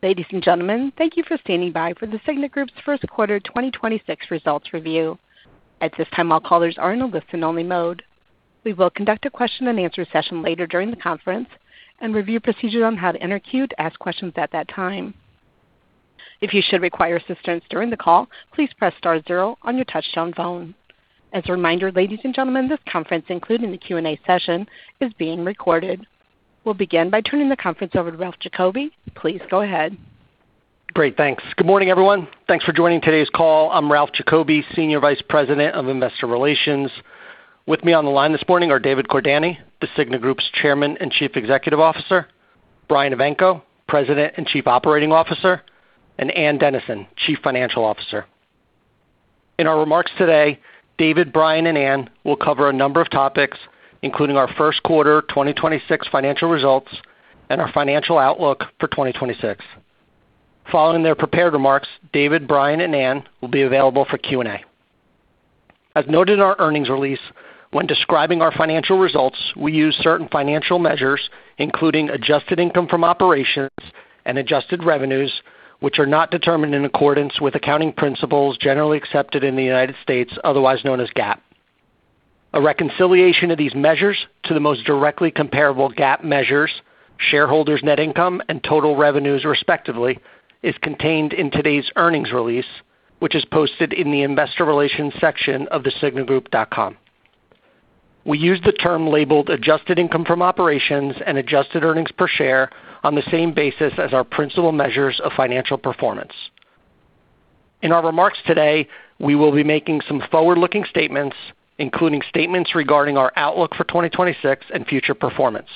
Ladies and gentlemen, thank you for standing by for The Cigna Group's first quarter 2026 results review. At this time, all callers are in a listen-only mode. We will conduct a question-and-answer session later during the conference and review procedures on how to enter queue to ask questions at that time. If you should require assistance during the call, please press star zero on your touchtone phone. As a reminder, ladies and gentlemen, this conference, including the Q&A session, is being recorded. We'll begin by turning the conference over to Ralph Giacobbe. Please go ahead. Great. Thanks. Good morning, everyone. Thanks for joining today's call. I'm Ralph Giacobbe, Senior Vice President of Investor Relations. With me on the line this morning are David Cordani, The Cigna Group's Chairman and Chief Executive Officer, Brian Evanko, President and Chief Operating Officer, and Ann Dennison, Chief Financial Officer. In our remarks today, David, Brian, and Ann will cover a number of topics, including our first quarter 2026 financial results and our financial outlook for 2026. Following their prepared remarks, David, Brian, and Ann will be available for Q&A. As noted in our earnings release, when describing our financial results, we use certain financial measures, including adjusted income from operations and adjusted revenues, which are not determined in accordance with accounting principles generally accepted in the United States, otherwise known as GAAP. A reconciliation of these measures to the most directly comparable GAAP measures, shareholders' net income and total revenues respectively, is contained in today's earnings release, which is posted in the Investor Relations section of thecignagroup.com. We use the term labeled adjusted income from operations and adjusted earnings per share on the same basis as our principal measures of financial performance. In our remarks today, we will be making some forward-looking statements, including statements regarding our outlook for 2026 and future performance.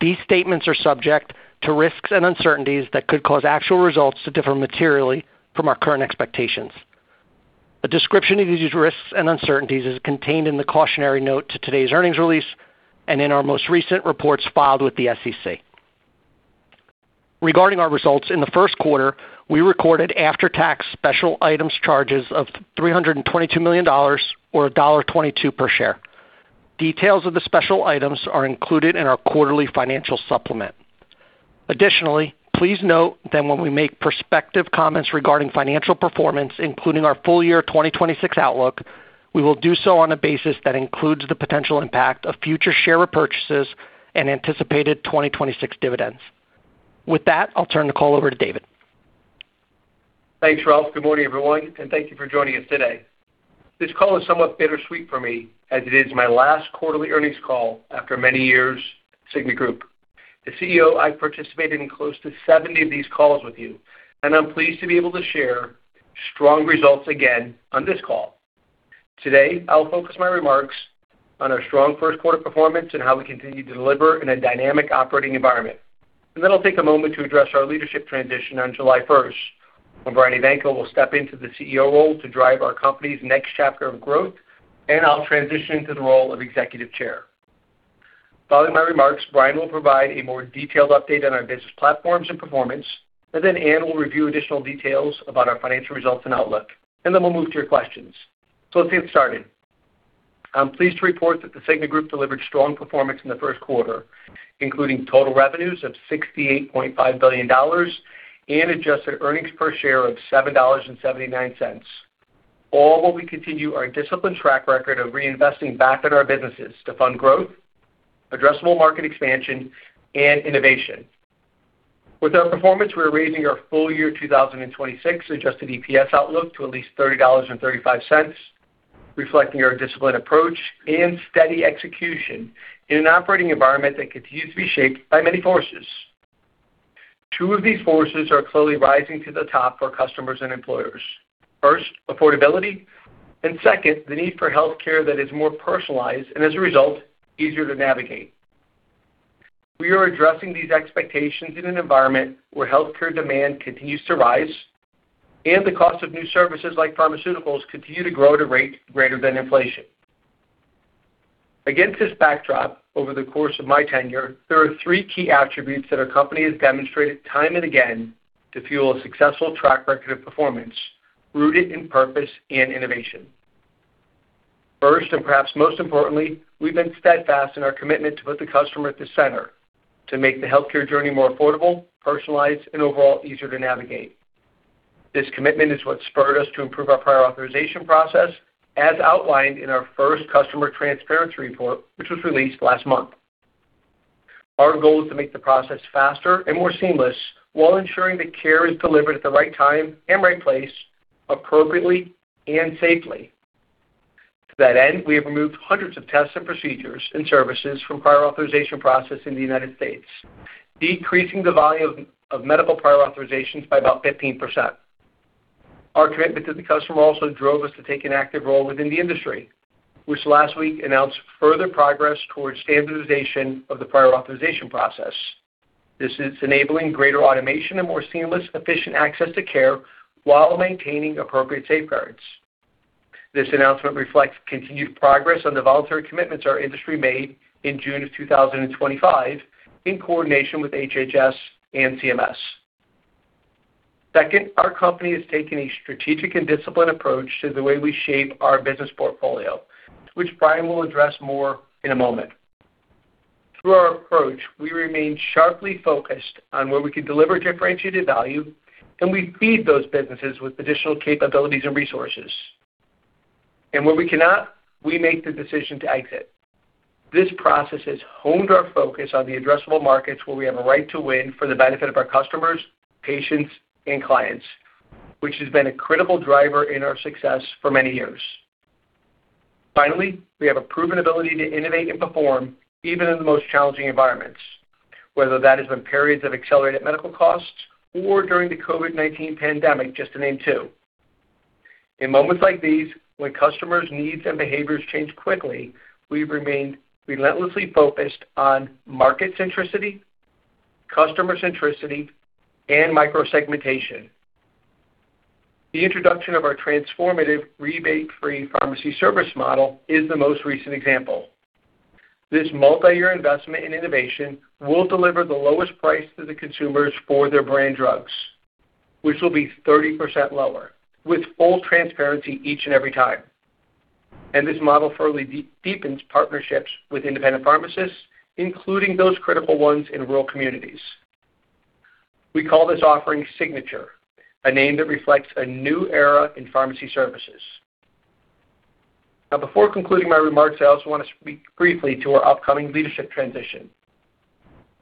These statements are subject to risks and uncertainties that could cause actual results to differ materially from our current expectations. A description of these risks and uncertainties is contained in the cautionary note to today's earnings release and in our most recent reports filed with the SEC. Regarding our results, in the first quarter, we recorded after-tax special items charges of $322 million or $1.22 per share. Details of the special items are included in our quarterly financial supplement. Additionally, please note that when we make prospective comments regarding financial performance, including our full-year 2026 outlook, we will do so on a basis that includes the potential impact of future share repurchases and anticipated 2026 dividends. With that, I'll turn the call over to David. Thanks, Ralph. Good morning, everyone, and thank you for joining us today. This call is somewhat bittersweet for me as it is my last quarterly earnings call after many years at The Cigna Group. As CEO, I participated in close to 70 of these calls with you, and I'm pleased to be able to share strong results again on this call. Today, I'll focus my remarks on our strong first quarter performance and how we continue to deliver in a dynamic operating environment. Then I'll take a moment to address our leadership transition on July first, when Brian Evanko will step into the CEO role to drive our company's next chapter of growth, and I'll transition to the role of Executive Chair. Following my remarks, Brian will provide a more detailed update on our business platforms and performance, and then Ann will review additional details about our financial results and outlook, and then we'll move to your questions. Let's get started. I'm pleased to report that The Cigna Group delivered strong performance in the first quarter, including total revenues of $68.5 billion and adjusted earnings per share of $7.79. All while we continue our disciplined track record of reinvesting back at our businesses to fund growth, addressable market expansion, and innovation. With our performance, we're raising our full-year 2026 adjusted EPS outlook to at least $30.35, reflecting our disciplined approach and steady execution in an operating environment that continues to be shaped by many forces. Two of these forces are clearly rising to the top for customers and employers. First, affordability, and second, the need for healthcare that is more personalized and as a result, easier to navigate. We are addressing these expectations in an environment where healthcare demand continues to rise, and the cost of new services like pharmaceuticals continue to grow at a rate greater than inflation. Against this backdrop, over the course of my tenure, there are three key attributes that our company has demonstrated time and again to fuel a successful track record of performance rooted in purpose and innovation. First, and perhaps most importantly, we've been steadfast in our commitment to put the customer at the center to make the healthcare journey more affordable, personalized, and overall easier to navigate. This commitment is what spurred us to improve our prior authorization process as outlined in our first customer transparency report, which was released last month. Our goal is to make the process faster and more seamless while ensuring that care is delivered at the right time and right place appropriately and safely. To that end, we have removed hundreds of tests and procedures and services from prior authorization process in the U.S., decreasing the volume of medical prior authorizations by about 15%. Our commitment to the customer also drove us to take an active role within the industry, which last week announced further progress towards standardization of the prior authorization process. This is enabling greater automation and more seamless, efficient access to care while maintaining appropriate safeguards. This announcement reflects continued progress on the voluntary commitments our industry made in June 2025 in coordination with HHS and CMS. Our company has taken a strategic and disciplined approach to the way we shape our business portfolio, which Brian will address more in a moment. Through our approach, we remain sharply focused on where we can deliver differentiated value, we feed those businesses with additional capabilities and resources. Where we cannot, we make the decision to exit. This process has honed our focus on the addressable markets where we have a right to win for the benefit of our customers, patients, and clients, which has been a critical driver in our success for many years. Finally, we have a proven ability to innovate and perform even in the most challenging environments, whether that is in periods of accelerated medical costs or during the COVID-19 pandemic, just to name two. In moments like these, when customers' needs and behaviors change quickly, we've remained relentlessly focused on market centricity, customer centricity, and micro-segmentation. The introduction of our transformative rebate-free pharmacy service model is the most recent example. This multiyear investment in innovation will deliver the lowest price to the consumers for their brand drugs, which will be 30% lower, with full transparency each and every time. This model further deepens partnerships with independent pharmacists, including those critical ones in rural communities. We call this offering Signature, a name that reflects a new era in pharmacy services. Now before concluding my remarks, I also want to speak briefly to our upcoming leadership transition.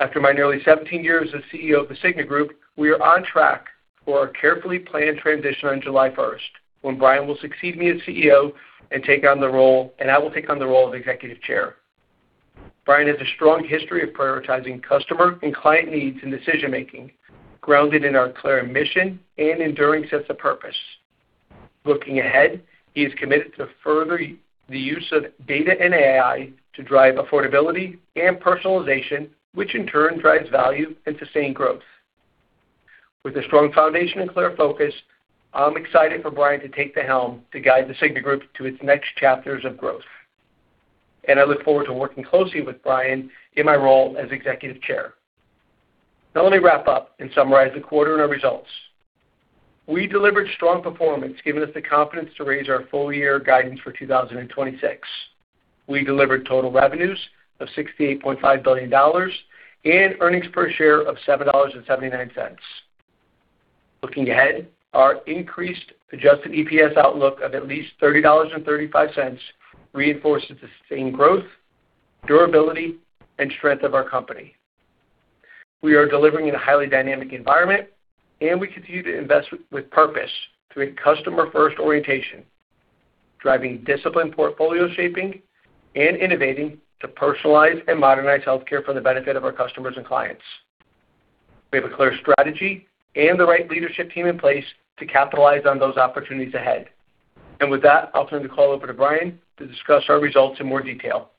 After my nearly 17 years as CEO of The Cigna Group, we are on track for a carefully planned transition on July 1st, when Brian will succeed me as CEO and take on the role, and I will take on the role of executive chair. Brian has a strong history of prioritizing customer and client needs in decision-making, grounded in our clear mission and enduring sense of purpose. Looking ahead, he is committed to further the use of data and AI to drive affordability and personalization, which in turn drives value and sustained growth. With a strong foundation and clear focus, I'm excited for Brian to take the helm to guide The Cigna Group to its next chapters of growth, and I look forward to working closely with Brian in my role as executive chair. Now let me wrap up and summarize the quarter and our results. We delivered strong performance, giving us the confidence to raise our full-year guidance for 2026. We delivered total revenues of $68.5 billion and earnings per share of $7.79. Looking ahead, our increased adjusted EPS outlook of at least $30.35 reinforces the sustained growth, durability, and strength of our company. We are delivering in a highly dynamic environment, and we continue to invest with purpose through a customer-first orientation, driving disciplined portfolio shaping and innovating to personalize and modernize healthcare for the benefit of our customers and clients. We have a clear strategy and the right leadership team in place to capitalize on those opportunities ahead. With that, I'll turn the call over to Brian to discuss our results in more detail.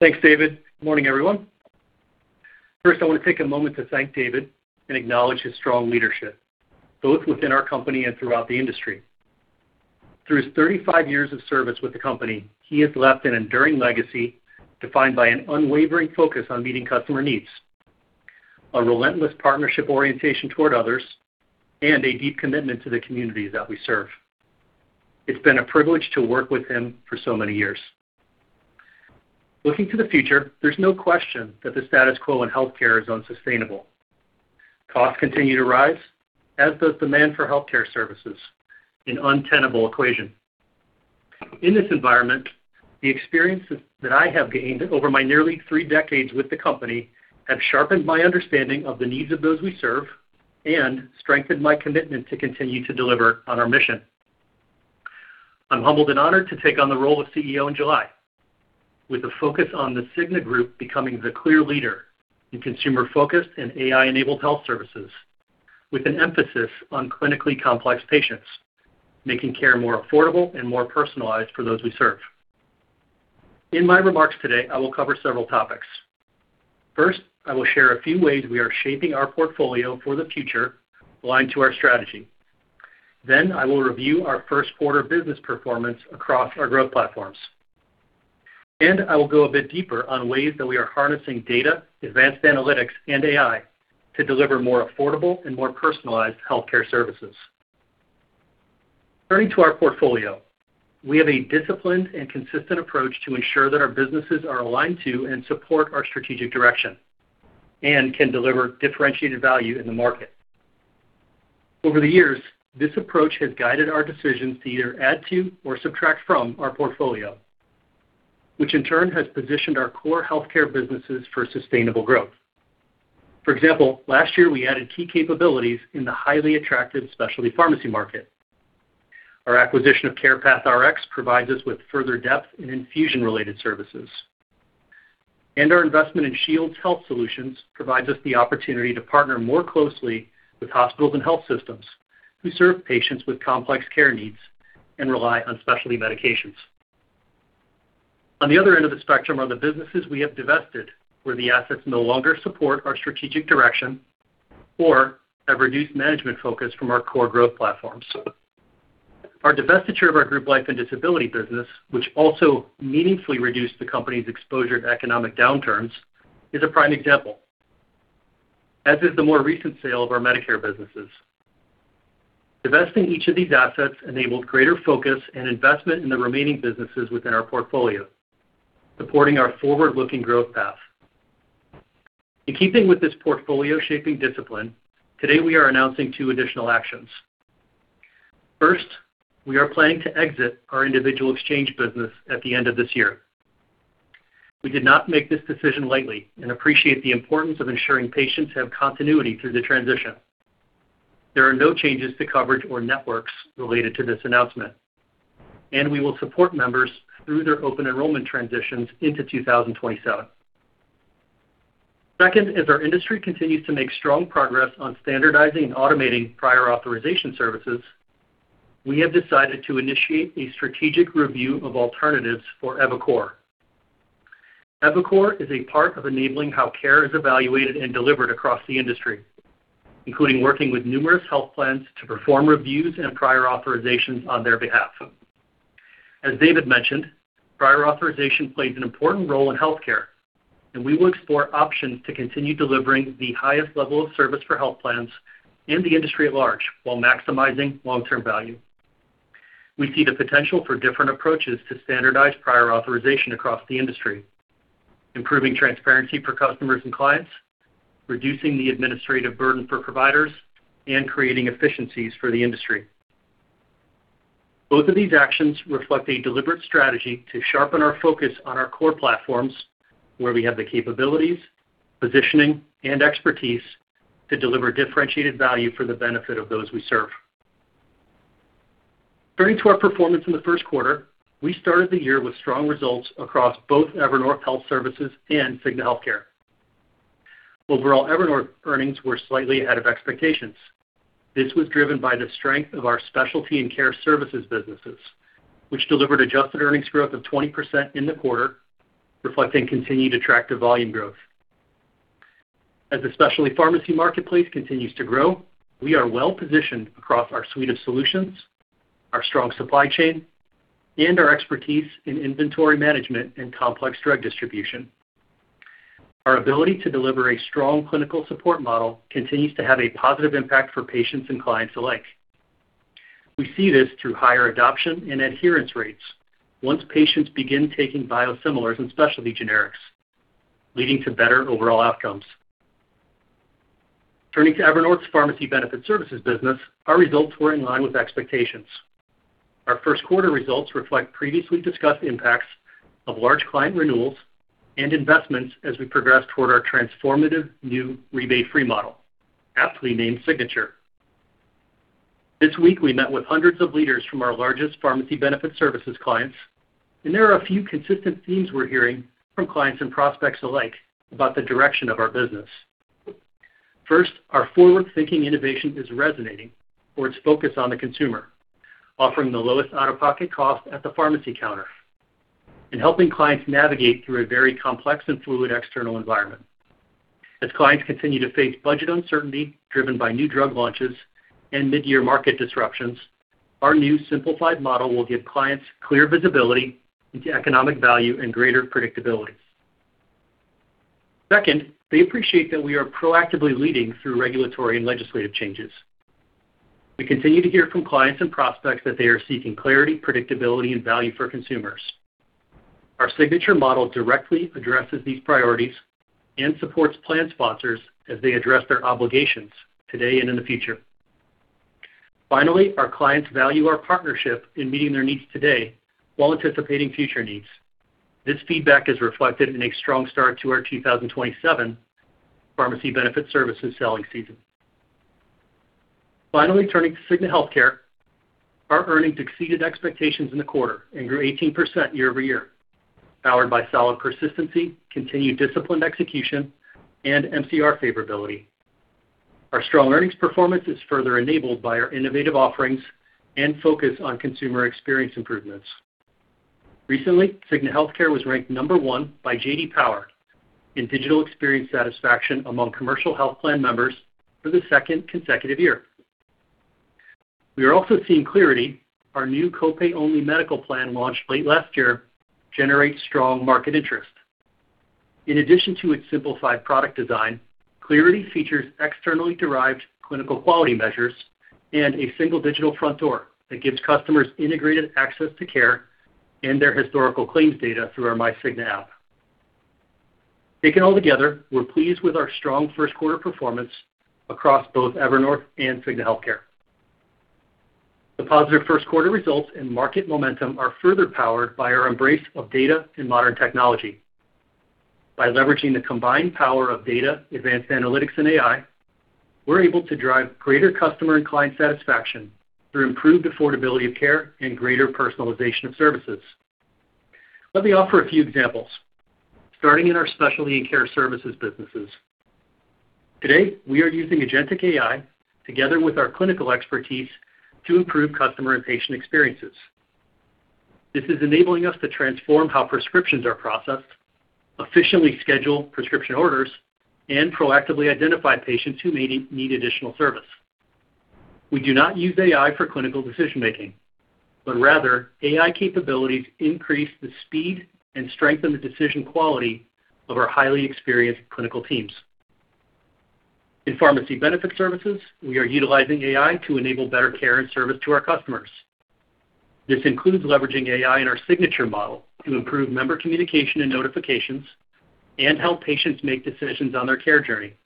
Thanks, David. Morning, everyone. First, I want to take a moment to thank David and acknowledge his strong leadership, both within our company and throughout the industry. Through his 35 years of service with the company, he has left an enduring legacy defined by an unwavering focus on meeting customer needs, a relentless partnership orientation toward others, and a deep commitment to the communities that we serve. It's been a privilege to work with him for so many years. Looking to the future, there's no question that the status quo in healthcare is unsustainable. Costs continue to rise, as does demand for healthcare services, an untenable equation. In this environment, the experiences that I have gained over my nearly three decades with the company have sharpened my understanding of the needs of those we serve and strengthened my commitment to continue to deliver on our mission. I'm humbled and honored to take on the role of CEO in July with a focus on The Cigna Group becoming the clear leader in consumer-focused and AI-enabled health services, with an emphasis on clinically complex patients, making care more affordable and more personalized for those we serve. In my remarks today, I will cover several topics. First, I will share a few ways we are shaping our portfolio for the future aligned to our strategy. I will review our first quarter business performance across our growth platforms. I will go a bit deeper on ways that we are harnessing data, advanced analytics, and AI to deliver more affordable and more personalized healthcare services. Turning to our portfolio, we have a disciplined and consistent approach to ensure that our businesses are aligned to and support our strategic direction and can deliver differentiated value in the market. Over the years, this approach has guided our decisions to either add to or subtract from our portfolio, which in turn has positioned our core healthcare businesses for sustainable growth. For example, last year, we added key capabilities in the highly attractive specialty pharmacy market. Our acquisition of CarepathRx provides us with further depth in infusion-related services. Our investment in Shields Health Solutions provides us the opportunity to partner more closely with hospitals and health systems who serve patients with complex care needs and rely on specialty medications. On the other end of the spectrum are the businesses we have divested, where the assets no longer support our strategic direction or have reduced management focus from our core growth platforms. Our divestiture of our group life and disability business, which also meaningfully reduced the company's exposure to economic downturns, is a prime example, as is the more recent sale of our Medicare businesses. Divesting each of these assets enabled greater focus and investment in the remaining businesses within our portfolio, supporting our forward-looking growth path. In keeping with this portfolio shaping discipline, today we are announcing two additional actions. First, we are planning to exit our individual exchange business at the end of this year. We did not make this decision lightly and appreciate the importance of ensuring patients have continuity through the transition. There are no changes to coverage or networks related to this announcement. We will support members through their open enrollment transitions into 2027. As our industry continues to make strong progress on standardizing and automating prior authorization services, we have decided to initiate a strategic review of alternatives for EviCore. EviCore is a part of enabling how care is evaluated and delivered across the industry, including working with numerous health plans to perform reviews and prior authorizations on their behalf. As David mentioned, prior authorization plays an important role in healthcare. We will explore options to continue delivering the highest level of service for health plans in the industry at large while maximizing long-term value. We see the potential for different approaches to standardize prior authorization across the industry, improving transparency for customers and clients, reducing the administrative burden for providers, and creating efficiencies for the industry. Both of these actions reflect a deliberate strategy to sharpen our focus on our core platforms where we have the capabilities, positioning, and expertise to deliver differentiated value for the benefit of those we serve. Turning to our performance in the first quarter, we started the year with strong results across both Evernorth Health Services and Cigna Healthcare. Overall Evernorth earnings were slightly ahead of expectations. This was driven by the strength of our Specialty and Care Services businesses, which delivered adjusted earnings growth of 20% in the quarter, reflecting continued attractive volume growth. As the specialty pharmacy marketplace continues to grow, we are well-positioned across our suite of solutions, our strong supply chain, and our expertise in inventory management and complex drug distribution. Our ability to deliver a strong clinical support model continues to have a positive impact for patients and clients alike. We see this through higher adoption and adherence rates once patients begin taking biosimilars and specialty generics, leading to better overall outcomes. Turning to Evernorth Pharmacy Benefit Services business, our results were in line with expectations. Our first quarter results reflect previously discussed impacts of large client renewals and investments as we progress toward our transformative new rebate-free model, aptly named Signature. This week, we met with hundreds of leaders from our largest pharmacy benefit services clients, and there are a few consistent themes we're hearing from clients and prospects alike about the direction of our business. First, our forward-thinking innovation is resonating for its focus on the consumer, offering the lowest out-of-pocket cost at the pharmacy counter and helping clients navigate through a very complex and fluid external environment. As clients continue to face budget uncertainty driven by new drug launches and mid-year market disruptions, our new simplified model will give clients clear visibility into economic value and greater predictability. Second, they appreciate that we are proactively leading through regulatory and legislative changes. We continue to hear from clients and prospects that they are seeking clarity, predictability, and value for consumers. Our Signature model directly addresses these priorities and supports plan sponsors as they address their obligations today and in the future. Finally, our clients value our partnership in meeting their needs today while anticipating future needs. This feedback is reflected in a strong start to our 2027 Pharmacy Benefit Services selling season. Finally, turning to Cigna Healthcare. Our earnings exceeded expectations in the quarter and grew 18% year-over-year, powered by solid persistency, continued disciplined execution, and MCR favorability. Our strong earnings performance is further enabled by our innovative offerings and focus on consumer experience improvements. Recently, Cigna Healthcare was ranked number one by J.D. Power in digital experience satisfaction among commercial health plan members for the second consecutive year. We are also seeing Clearity, our new copay-only medical plan launched late last year, generate strong market interest. In addition to its simplified product design, Clearity features externally derived clinical quality measures and a single digital front door that gives customers integrated access to care and their historical claims data through our myCigna app. Taken all together, we're pleased with our strong first quarter performance across both Evernorth and Cigna Healthcare. The positive first quarter results and market momentum are further powered by our embrace of data and modern technology. By leveraging the combined power of data, advanced analytics, and AI, we're able to drive greater customer and client satisfaction through improved affordability of care and greater personalization of services. Let me offer a few examples, starting in our Specialty and Care Services businesses. Today, we are using agentic AI together with our clinical expertise to improve customer and patient experiences. This is enabling us to transform how prescriptions are processed, efficiently schedule prescription orders, and proactively identify patients who may need additional service. We do not use AI for clinical decision-making, but rather AI capabilities increase the speed and strengthen the decision quality of our highly experienced clinical teams. In Pharmacy Benefit Services, we are utilizing AI to enable better care and service to our customers. This includes leveraging AI in our Signature model to improve member communication and notifications and help patients make decisions on their care journey,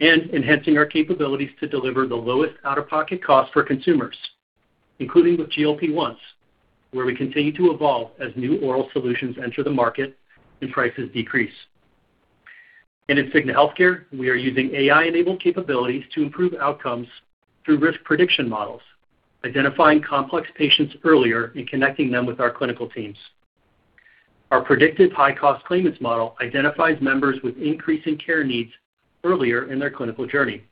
and enhancing our capabilities to deliver the lowest out-of-pocket cost for consumers, including with GLP-1s, where we continue to evolve as new oral solutions enter the market and prices decrease. In Cigna Healthcare, we are using AI-enabled capabilities to improve outcomes through risk prediction models, identifying complex patients earlier and connecting them with our clinical teams. Our predictive high-cost claimants model identifies members with increasing care needs earlier in their clinical journey.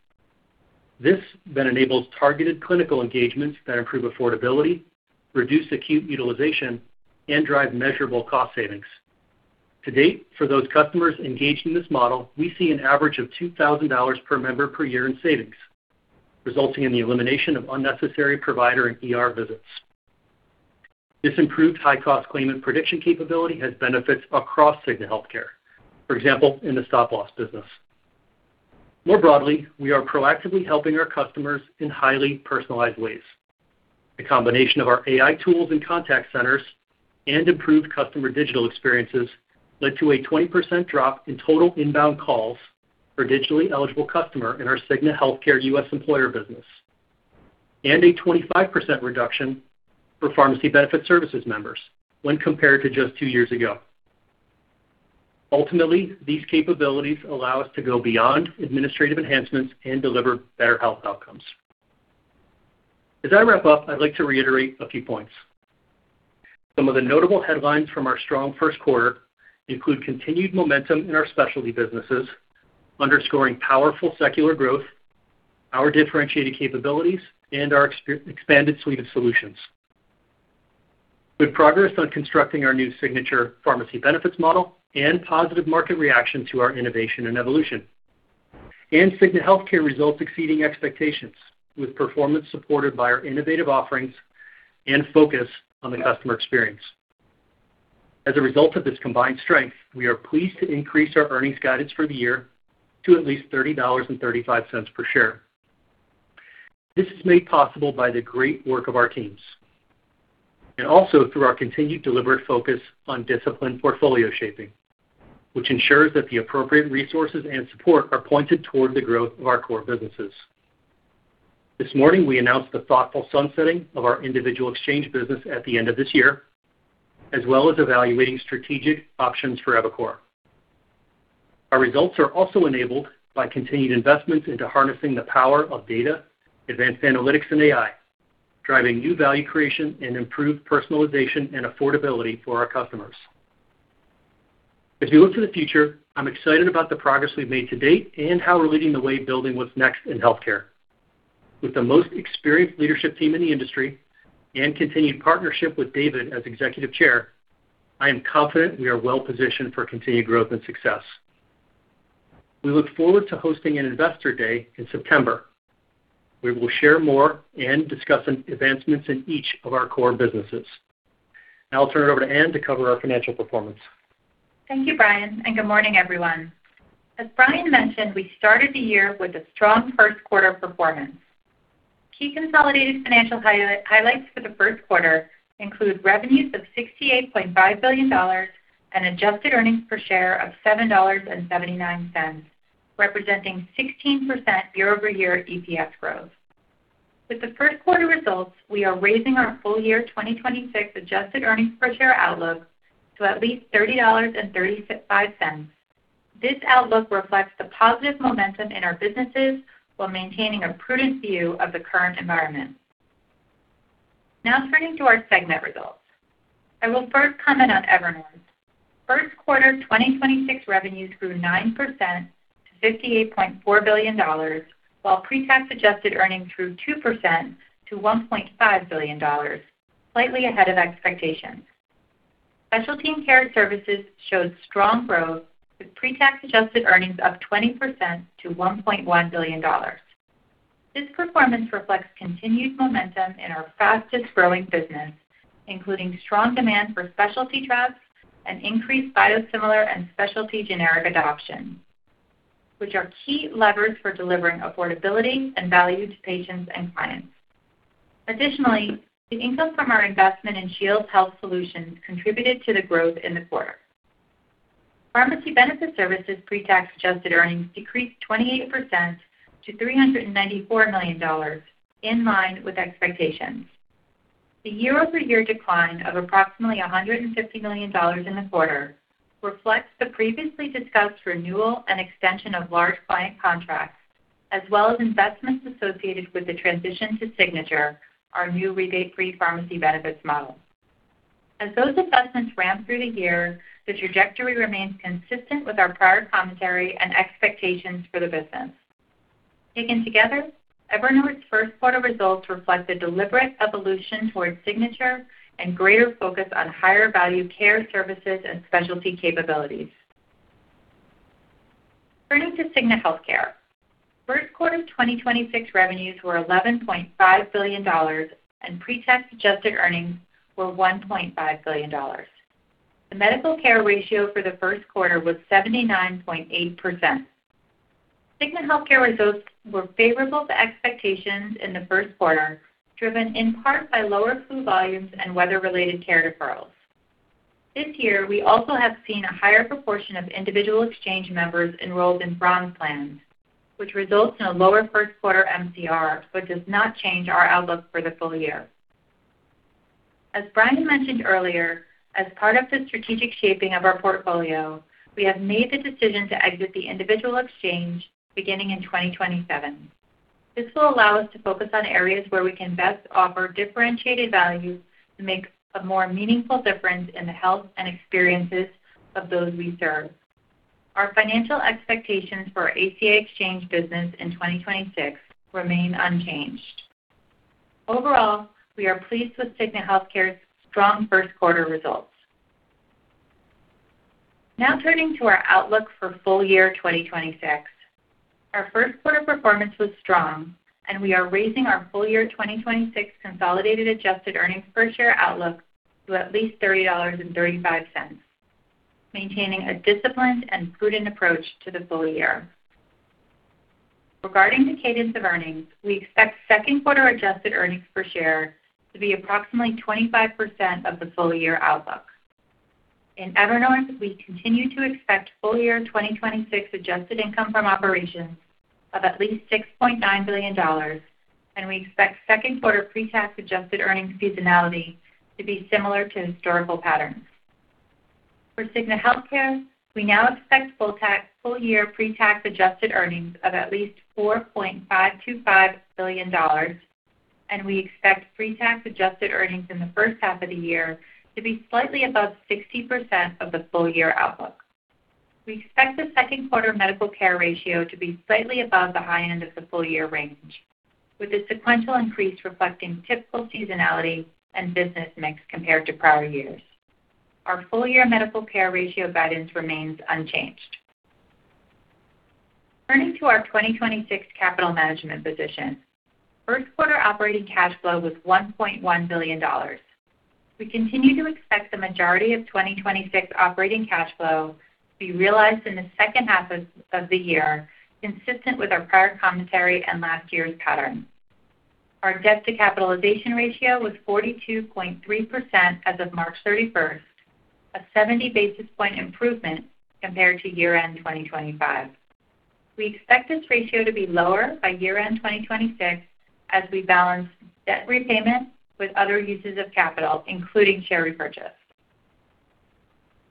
This then enables targeted clinical engagements that improve affordability, reduce acute utilization, and drive measurable cost savings. To date, for those customers engaged in this model, we see an average of $2,000 per member per year in savings, resulting in the elimination of unnecessary provider and ER visits. This improved high-cost claimant prediction capability has benefits across Cigna Healthcare, for example, in the stop-loss business. More broadly, we are proactively helping our customers in highly personalized ways. A combination of our AI tools and contact centers and improved customer digital experiences led to a 20% drop in total inbound calls for digitally eligible customer in our Cigna Healthcare U.S. employer business and a 25% reduction for Pharmacy Benefit Services members when compared to just two years ago. Ultimately, these capabilities allow us to go beyond administrative enhancements and deliver better health outcomes. As I wrap up, I'd like to reiterate a few points. Some of the notable headlines from our strong first quarter include continued momentum in our specialty businesses, underscoring powerful secular growth, our differentiated capabilities, and our expanded suite of solutions. Good progress on constructing our new Signature pharmacy benefits model and positive market reaction to our innovation and evolution, and Cigna Healthcare results exceeding expectations with performance supported by our innovative offerings and focus on the customer experience. As a result of this combined strength, we are pleased to increase our earnings guidance for the year to at least $30.35 per share. This is made possible by the great work of our teams and also through our continued deliberate focus on disciplined portfolio shaping, which ensures that the appropriate resources and support are pointed toward the growth of our core businesses. This morning, we announced the thoughtful sunsetting of our individual exchange business at the end of this year, as well as evaluating strategic options for EviCore. Our results are also enabled by continued investments into harnessing the power of data, advanced analytics, and AI, driving new value creation and improved personalization and affordability for our customers. As we look to the future, I'm excited about the progress we've made to date and how we're leading the way building what's next in healthcare. With the most experienced leadership team in the industry and continued partnership with David as Executive Chair, I am confident we are well-positioned for continued growth and success. We look forward to hosting an investor day in September, where we'll share more and discuss advancements in each of our core businesses. Now I'll turn it over to Ann to cover our financial performance. Thank you, Brian, and good morning, everyone. As Brian mentioned, we started the year with a strong first quarter performance. Key consolidated financial highlights for the first quarter include revenues of $68.5 billion and adjusted earnings per share of $7.79, representing 16% year-over-year EPS growth. With the first quarter results, we are raising our full-year 2026 adjusted earnings per share outlook to at least $30.35. This outlook reflects the positive momentum in our businesses while maintaining a prudent view of the current environment. Now turning to our segment results. I will first comment on Evernorth. First quarter 2026 revenues grew 9% to $58.4 billion, while pre-tax adjusted earnings grew 2% to $1.5 billion, slightly ahead of expectations. Specialty and Care Services showed strong growth, with pre-tax adjusted earnings up 20% to $1.1 billion. This performance reflects continued momentum in our fastest-growing business, including strong demand for specialty drugs and increased biosimilar and specialty generic adoption, which are key levers for delivering affordability and value to patients and clients. Additionally, the income from our investment in Shields Health Solutions contributed to the growth in the quarter. Pharmacy Benefit Services pre-tax adjusted earnings decreased 28% to $394 million in line with expectations. The year-over-year decline of approximately $150 million in the quarter reflects the previously discussed renewal and extension of large client contracts, as well as investments associated with the transition to Signature, our new rebate-free pharmacy benefits model. As those investments ramp through the year, the trajectory remains consistent with our prior commentary and expectations for the business. Taken together, Evernorth's first quarter results reflect a deliberate evolution towards Signature and greater focus on higher value care services and specialty capabilities. Turning to Cigna Healthcare. First quarter 2024 revenues were $11.5 billion and pre-tax adjusted earnings were $1.5 billion. The medical care ratio for the first quarter was 79.8%. Cigna Healthcare results were favorable to expectations in the first quarter, driven in part by lower flu volumes and weather-related care deferrals. This year, we also have seen a higher proportion of individual exchange members enrolled in Bronze plan, which results in a lower first-quarter MCR but does not change our outlook for the full year. As Brian mentioned earlier, as part of the strategic shaping of our portfolio, we have made the decision to exit the individual exchange beginning in 2027. This will allow us to focus on areas where we can best offer differentiated value to make a more meaningful difference in the health and experiences of those we serve. Our financial expectations for our ACA Exchange business in 2026 remain unchanged. Overall, we are pleased with Cigna Healthcare's strong first quarter results. Now turning to our outlook for full-year 2026. Our first quarter performance was strong, and we are raising our full-year 2026 consolidated adjusted earnings per share outlook to at least $30.35, maintaining a disciplined and prudent approach to the full year. Regarding the cadence of earnings, we expect second quarter adjusted earnings per share to be approximately 25% of the full-year outlook. In Evernorth, we continue to expect full-year 2026 adjusted income from operations of at least $6.9 billion, and we expect second quarter pre-tax adjusted earnings seasonality to be similar to historical patterns. For Cigna Healthcare, we now expect full-year pre-tax adjusted earnings of at least $4.525 billion, and we expect pre-tax adjusted earnings in the first half of the year to be slightly above 60% of the full-year outlook. We expect the second quarter medical care ratio to be slightly above the high end of the full year range, with a sequential increase reflecting typical seasonality and business mix compared to prior years. Our full-year medical care ratio guidance remains unchanged. Turning to our 2026 capital management position. First quarter operating cash flow was $1.1 billion. We continue to expect the majority of 2026 operating cash flow to be realized in the second half of the year, consistent with our prior commentary and last year's pattern. Our debt to capitalization ratio was 42.3% as of March 31st, a 70 basis point improvement compared to year-end 2025. We expect this ratio to be lower by year-end 2026 as we balance debt repayment with other uses of capital, including share repurchase.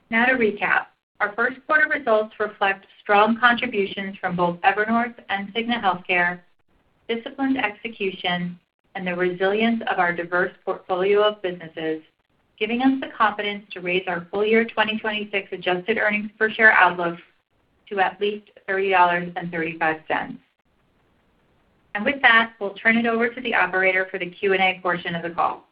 Now to recap, our first quarter results reflect strong contributions from both Evernorth and Cigna Healthcare, disciplined execution, and the resilience of our diverse portfolio of businesses, giving us the confidence to raise our full-year 2026 adjusted earnings per share outlook to at least $30.35. With that, we'll turn it over to the operator for the Q&A portion of the call.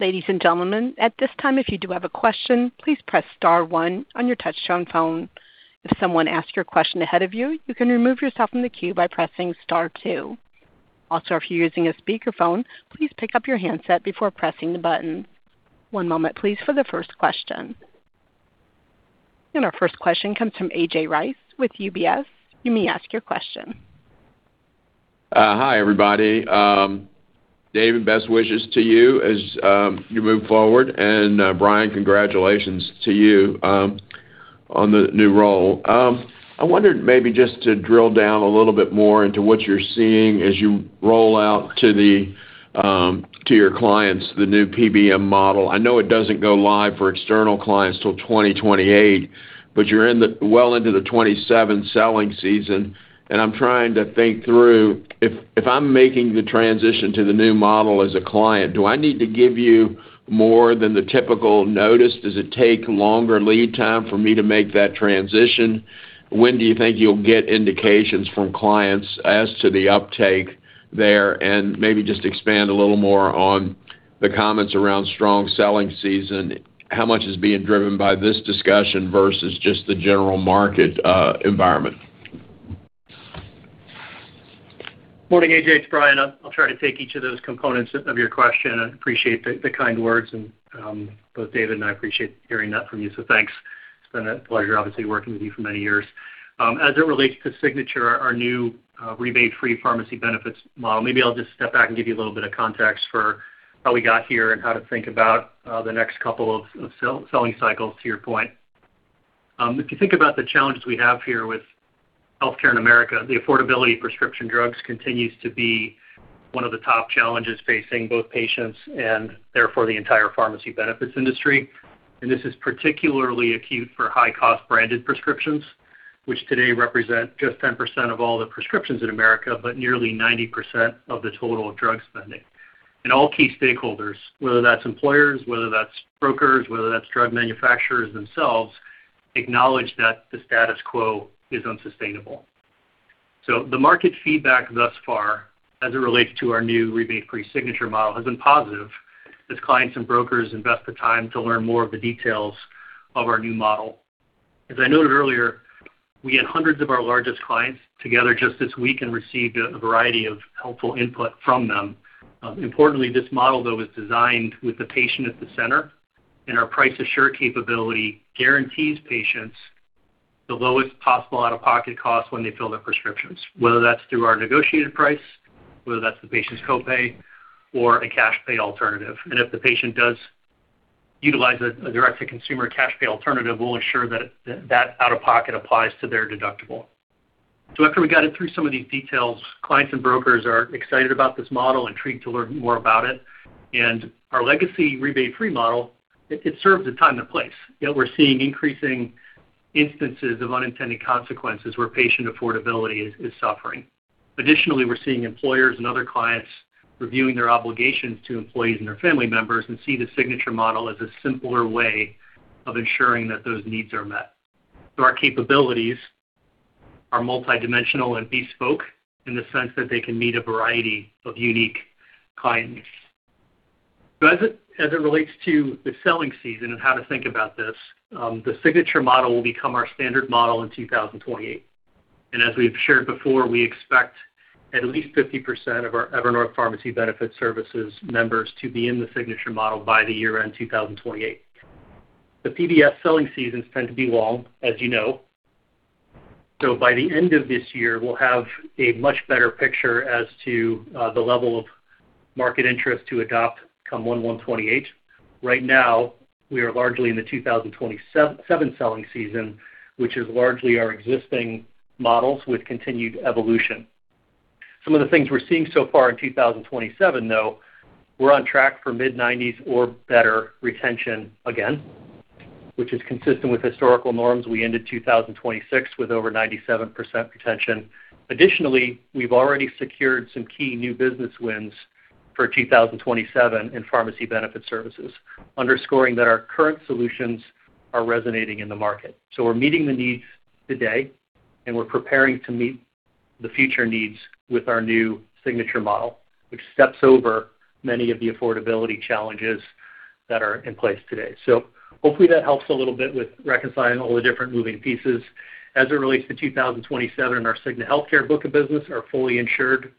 Ladies and gentlemen, at this time, if you do have a question, please press star one on your touch-tone phone. If someone asks your question ahead of you can remove yourself from the queue by pressing star two. Also, if you're using a speakerphone, please pick up your handset before pressing the button. One moment please for the first question. Our first question comes from A.J. Rice with UBS. You may ask your question. Hi, everybody. Dave, best wishes to you as you move forward. Brian, congratulations to you on the new role. I wondered maybe just to drill down a little bit more into what you're seeing as you roll out to your clients, the new PBM model. I know it doesn't go live for external clients till 2028, but you're well into the 2027 selling season, and I'm trying to think through if I'm making the transition to the new model as a client, do I need to give you more than the typical notice? Does it take longer lead time for me to make that transition? When do you think you'll get indications from clients as to the uptake there? Maybe just expand a little more on the comments around strong selling season. How much is being driven by this discussion versus just the general market environment? Morning, A.J. It's Brian. I'll try to take each of those components of your question. I appreciate the kind words and both David and I appreciate hearing that from you. Thanks. It's been a pleasure, obviously, working with you for many years. As it relates to Signature, our new rebate-free pharmacy benefits model, maybe I'll just step back and give you a little bit of context for how we got here and how to think about the next couple of selling cycles to your point. If you think about the challenges we have here with healthcare in America, the affordability of prescription drugs continues to be one of the top challenges facing both patients and therefore the entire pharmacy benefits industry. This is particularly acute for high-cost branded prescriptions, which today represent just 10% of all the prescriptions in America, but nearly 90% of the total drug spending. All key stakeholders, whether that's employers, whether that's brokers, whether that's drug manufacturers themselves, acknowledge that the status quo is unsustainable. The market feedback thus far as it relates to our new rebate-free Signature model has been positive as clients and brokers invest the time to learn more of the details of our new model. As I noted earlier, we had hundreds of our largest clients together just this week and received a variety of helpful input from them. Importantly, this model, though, is designed with the patient at the center, and our Price Assure capability guarantees patients the lowest possible out-of-pocket costs when they fill their prescriptions, whether that's through our negotiated price, whether that's the patient's co-pay or a cash pay alternative. If the patient does utilize a direct-to-consumer cash pay alternative, we'll ensure that out-of-pocket applies to their deductible. After we guided through some of these details, clients and brokers are excited about this model, intrigued to learn more about it. Our legacy rebate free model, it served the time and place, yet we're seeing increasing instances of unintended consequences where patient affordability is suffering. Additionally, we're seeing employers and other clients reviewing their obligations to employees and their family members and see the Signature model as a simpler way of ensuring that those needs are met. Our capabilities are multidimensional and bespoke in the sense that they can meet a variety of unique client needs. As it relates to the selling season and how to think about this, the Signature model will become our standard model in 2028. As we've shared before, we expect at least 50% of our Evernorth Pharmacy Benefit Services members to be in the Signature model by year-end 2028. The PBS selling seasons tend to be long, as you know. By the end of this year, we'll have a much better picture as to the level of market interest to adopt come 01/01/2028. Right now, we are largely in the 2027 selling season, which is largely our existing models with continued evolution. Some of the things we're seeing so far in 2027, though, we're on track for mid-90s or better retention again, which is consistent with historical norms. We ended 2026 with over 97% retention. Additionally, we've already secured some key new business wins for 2027 in Pharmacy Benefit Services, underscoring that our current solutions are resonating in the market. We're meeting the needs today, and we're preparing to meet the future needs with our new Signature model, which steps over many of the affordability challenges that are in place today. Hopefully that helps a little bit with reconciling all the different moving pieces. As it relates to 2027, our Cigna Healthcare book of business, our fully insured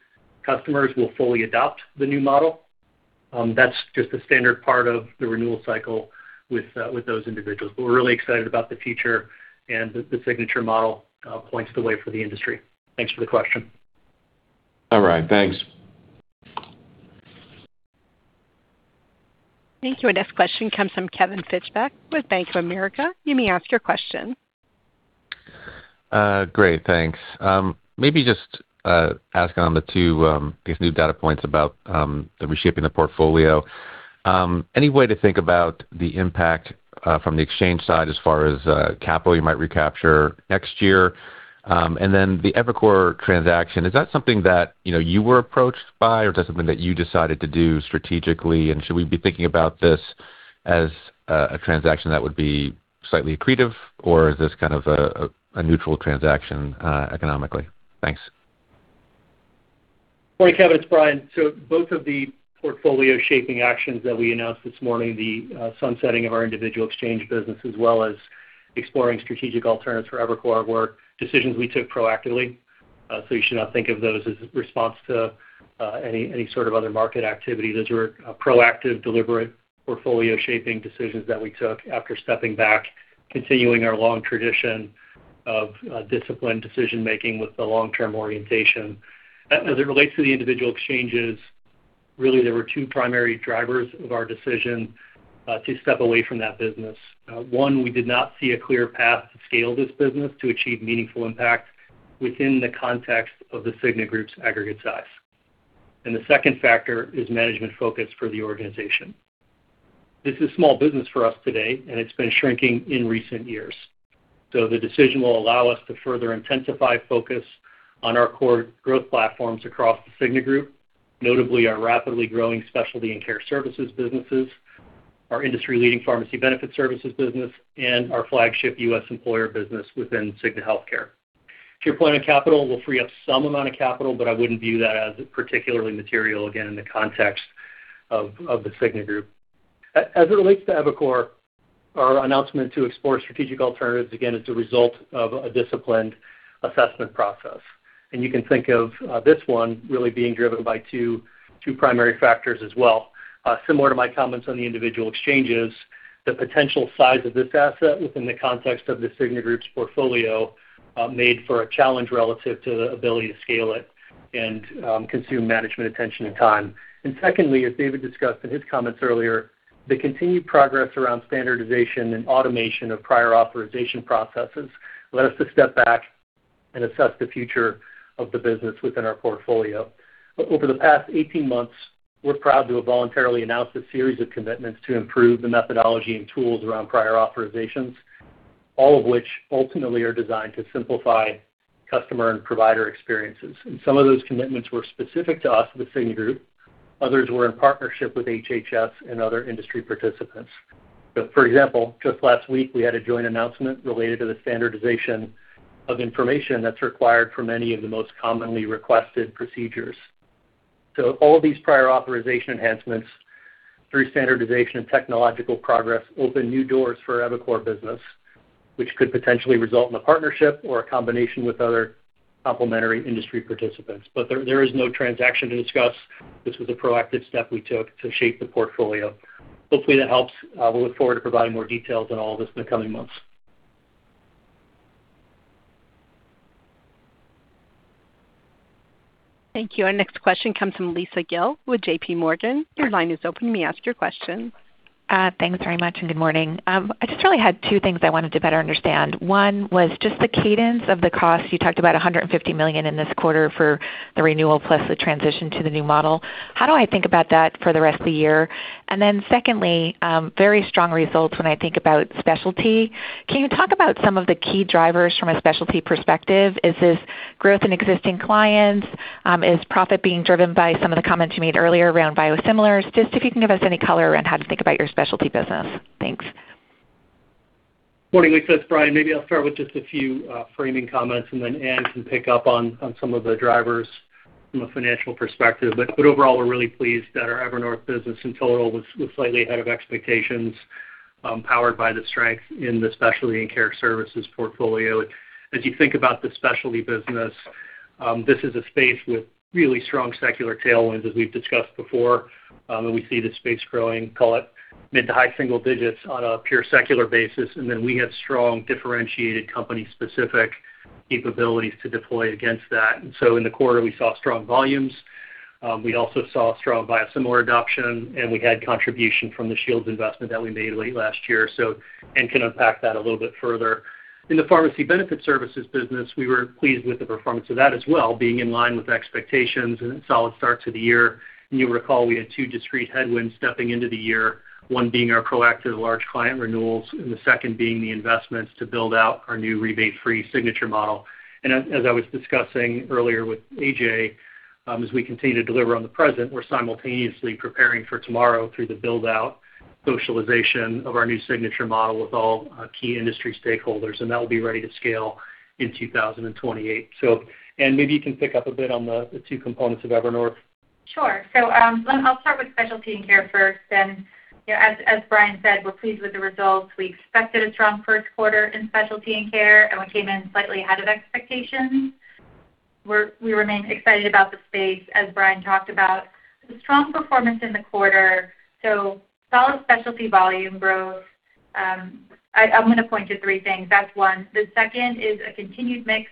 customers will fully adopt the new model. That's just a standard part of the renewal cycle with those individuals. We're really excited about the future, and the Signature model points the way for the industry. Thanks for the question. All right. Thanks. Thank you. Our next question comes from Kevin Fischbeck with Bank of America. You may ask your question. Great. Thanks. Maybe just asking on the two these new data points about the reshaping the portfolio. Any way to think about the impact from the exchange side as far as capital you might recapture next year? And then the EviCore transaction, is that something that, you know, you were approached by, or is that something that you decided to do strategically? And should we be thinking about this as a transaction that would be slightly accretive, or is this kind of a neutral transaction economically? Thanks. Morning, Kevin. It's Brian. Both of the portfolio shaping actions that we announced this morning, the sunsetting of our individual exchange business as well as exploring strategic alternatives for EviCore were decisions we took proactively. You should not think of those as a response to any sort of other market activity. Those were proactive, deliberate portfolio shaping decisions that we took after stepping back, continuing our long tradition of disciplined decision-making with the long-term orientation. As it relates to the individual exchanges, really there were two primary drivers of our decision to step away from that business. One, we did not see a clear path to scale this business to achieve meaningful impact within the context of The Cigna Group's aggregate size. The second factor is management focus for the organization. This is small business for us today, and it's been shrinking in recent years. The decision will allow us to further intensify focus on our core growth platforms across The Cigna Group, notably our rapidly growing Specialty and Care Services businesses, our industry-leading Pharmacy Benefit Services business, and our flagship U.S. employer business within Cigna Healthcare. To your point on capital, we'll free up some amount of capital, but I wouldn't view that as particularly material, again, in the context of The Cigna Group. As it relates to EviCore, our announcement to explore strategic alternatives, again, is a result of a disciplined assessment process. You can think of this one really being driven by two primary factors as well. Similar to my comments on the individual exchanges, the potential size of this asset within the context of The Cigna Group's portfolio made for a challenge relative to the ability to scale it and consume management attention and time. Secondly, as David discussed in his comments earlier, the continued progress around standardization and automation of prior authorization processes led us to step back and assess the future of the business within our portfolio. Over the past 18 months, we're proud to have voluntarily announced a series of commitments to improve the methodology and tools around prior authorizations. All of which ultimately are designed to simplify customer and provider experiences. Some of those commitments were specific to us, The Cigna Group, others were in partnership with HHS and other industry participants. For example, just last week, we had a joint announcement related to the standardization of information that's required for many of the most commonly requested procedures. All these prior authorization enhancements through standardization and technological progress open new doors for EviCore business, which could potentially result in a partnership or a combination with other complementary industry participants. There is no transaction to discuss. This was a proactive step we took to shape the portfolio. Hopefully, that helps. We look forward to providing more details on all of this in the coming months. Thank you. Our next question comes from Lisa Gill with JPMorgan. Your line is open. You may ask your question. Thanks very much, and good morning. I just really had two things I wanted to better understand. One was just the cadence of the cost. You talked about $150 million in this quarter for the renewal plus the transition to the new model. How do I think about that for the rest of the year? Then secondly, very strong results when I think about specialty. Can you talk about some of the key drivers from a specialty perspective? Is this growth in existing clients? Is profit being driven by some of the comments you made earlier around biosimilars? Just if you can give us any color around how to think about your specialty business. Thanks. Morning, Lisa. It's Brian. Maybe I'll start with just a few framing comments, and then Ann can pick up on some of the drivers from a financial perspective. Overall, we're really pleased that our Evernorth business in total was slightly ahead of expectations, powered by the strength in the Specialty and Care Services portfolio. As you think about the specialty business, this is a space with really strong secular tailwinds, as we've discussed before. We see the space growing, call it, mid- to high-single digits on a pure secular basis. Then we have strong differentiated company-specific capabilities to deploy against that. In the quarter, we saw strong volumes. We also saw strong biosimilar adoption, and we had contribution from the Shields investment that we made late last year. Ann can unpack that a little bit further. In the Pharmacy Benefit Services business, we were pleased with the performance of that as well, being in line with expectations and a solid start to the year. You recall, we had two discrete headwinds stepping into the year, one being our proactive large client renewals, and the second being the investments to build out our new rebate-free Signature model. As I was discussing earlier with A.J., as we continue to deliver on the present, we're simultaneously preparing for tomorrow through the build-out socialization of our new Signature model with all key industry stakeholders, and that will be ready to scale in 2028. Ann, maybe you can pick up a bit on the two components of Evernorth. Sure. I'll start with Specialty and Care first. You know, as Brian said, we're pleased with the results. We expected a strong first quarter in Specialty and Care, and we came in slightly ahead of expectations. We remain excited about the space, as Brian talked about. The strong performance in the quarter. Solid specialty volume growth. I'm gonna point to three things. That's one. The second is a continued mix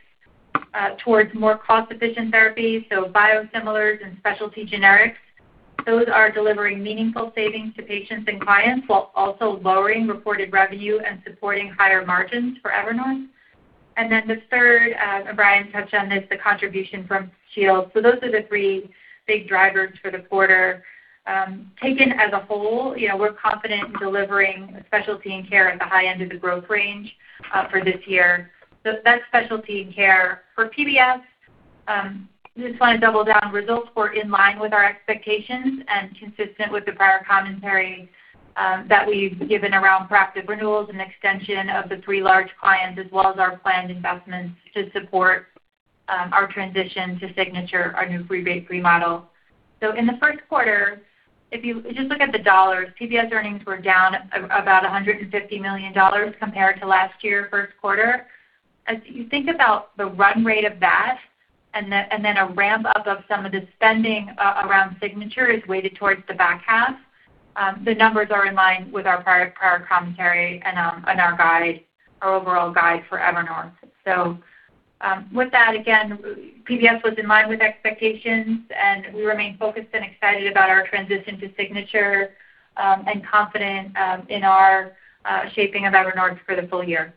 towards more cost-efficient therapies, so biosimilars and specialty generics. Those are delivering meaningful savings to patients and clients while also lowering reported revenue and supporting higher margins for Evernorth. The third, and Brian touched on this, the contribution from Shields. Those are the three big drivers for the quarter. Taken as a whole, you know, we're confident in delivering specialty and care at the high end of the growth range for this year. That's specialty and care. For PBS, I just wanna double down. Results were in line with our expectations and consistent with the prior commentary that we've given around proactive renewals and extension of the three large clients, as well as our planned investments to support our transition to Signature, our new rebate model. In the first quarter, if you just look at the dollars, PBS earnings were down about $150 million compared to last year first quarter. As you think about the run rate of that and then a ramp-up of some of the spending around Signature is weighted towards the back half, the numbers are in line with our prior commentary and our guide, our overall guide for Evernorth. With that, again, PBS was in line with expectations, and we remain focused and excited about our transition to Signature and confident in our shaping of Evernorth for the full year.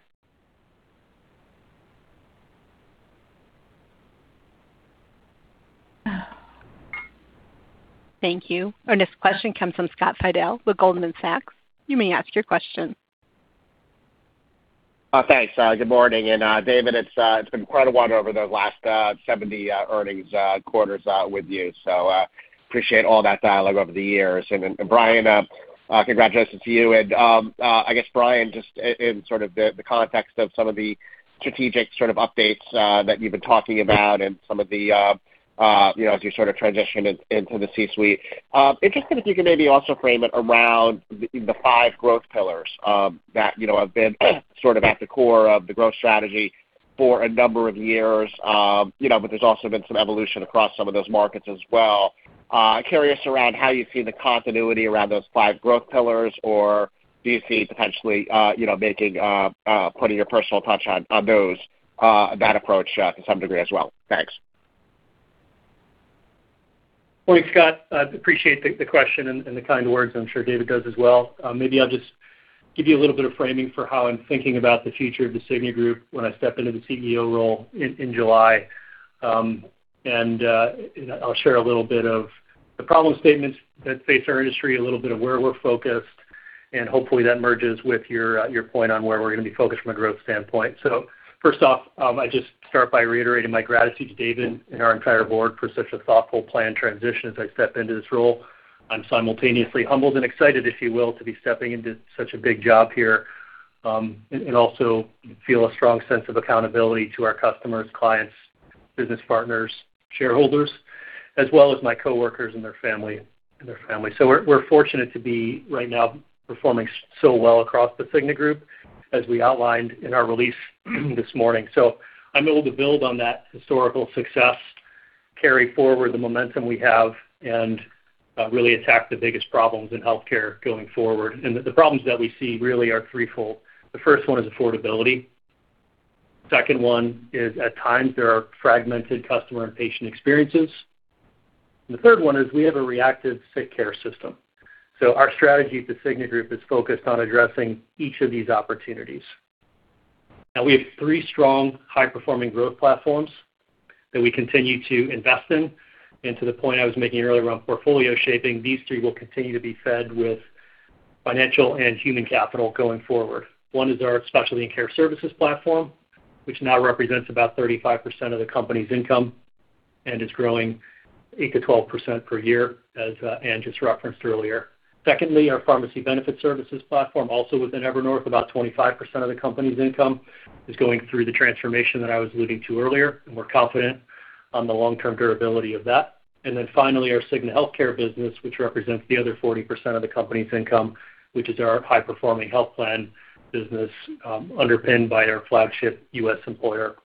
Thank you. Our next question comes from Scott Fidel with Goldman Sachs. You may ask your question. Thanks. Good morning. David, it's been quite a while over the last 70 earnings quarters with you, so appreciate all that dialogue over the years. Brian, congratulations to you. I guess, Brian, just in sort of the context of some of the strategic sort of updates that you've been talking about and some of the, you know, as you sort of transition into the C-suite, interested if you can maybe also frame it around the five growth pillars that, you know, have been sort of at the core of the growth strategy for a number of years. You know, but there's also been some evolution across some of those markets as well. Curious around how you see the continuity around those five growth pillars, or do you see potentially, you know, putting your personal touch on those, that approach, to some degree as well? Thanks. Morning, Scott. I appreciate the question and the kind words. I'm sure David does as well. Maybe I'll just give you a little bit of framing for how I'm thinking about the future of The Cigna Group when I step into the CEO role in July. I'll share a little bit of the problem statements that face our industry, a little bit of where we're focused, and hopefully that merges with your point on where we're gonna be focused from a growth standpoint. First off, I just start by reiterating my gratitude to David and our entire board for such a thoughtful planned transition as I step into this role. I'm simultaneously humbled and excited, if you will, to be stepping into such a big job here. I also feel a strong sense of accountability to our customers, clients, business partners, shareholders, as well as my coworkers and their families. We're fortunate to be right now performing so well across The Cigna Group as we outlined in our release this morning. I'm able to build on that historical success, carry forward the momentum we have, and really attack the biggest problems in healthcare going forward. The problems that we see really are threefold. The first one is affordability. Second one is, at times, there are fragmented customer and patient experiences. The third one is we have a reactive sick care system. Our strategy at The Cigna Group is focused on addressing each of these opportunities. Now we have three strong high-performing growth platforms that we continue to invest in. To the point I was making earlier around portfolio shaping, these three will continue to be fed with financial and human capital going forward. One is our Specialty and Care Services platform, which now represents about 35% of the company's income and is growing 8%-12% per year, as Ann just referenced earlier. Secondly, our Pharmacy Benefit Services platform, also within Evernorth, about 25% of the company's income, is going through the transformation that I was alluding to earlier, and we're confident on the long-term durability of that. Then finally, our Cigna Healthcare business, which represents the other 40% of the company's income, which is our high-performing health plan business, underpinned by our flagship U.S. employer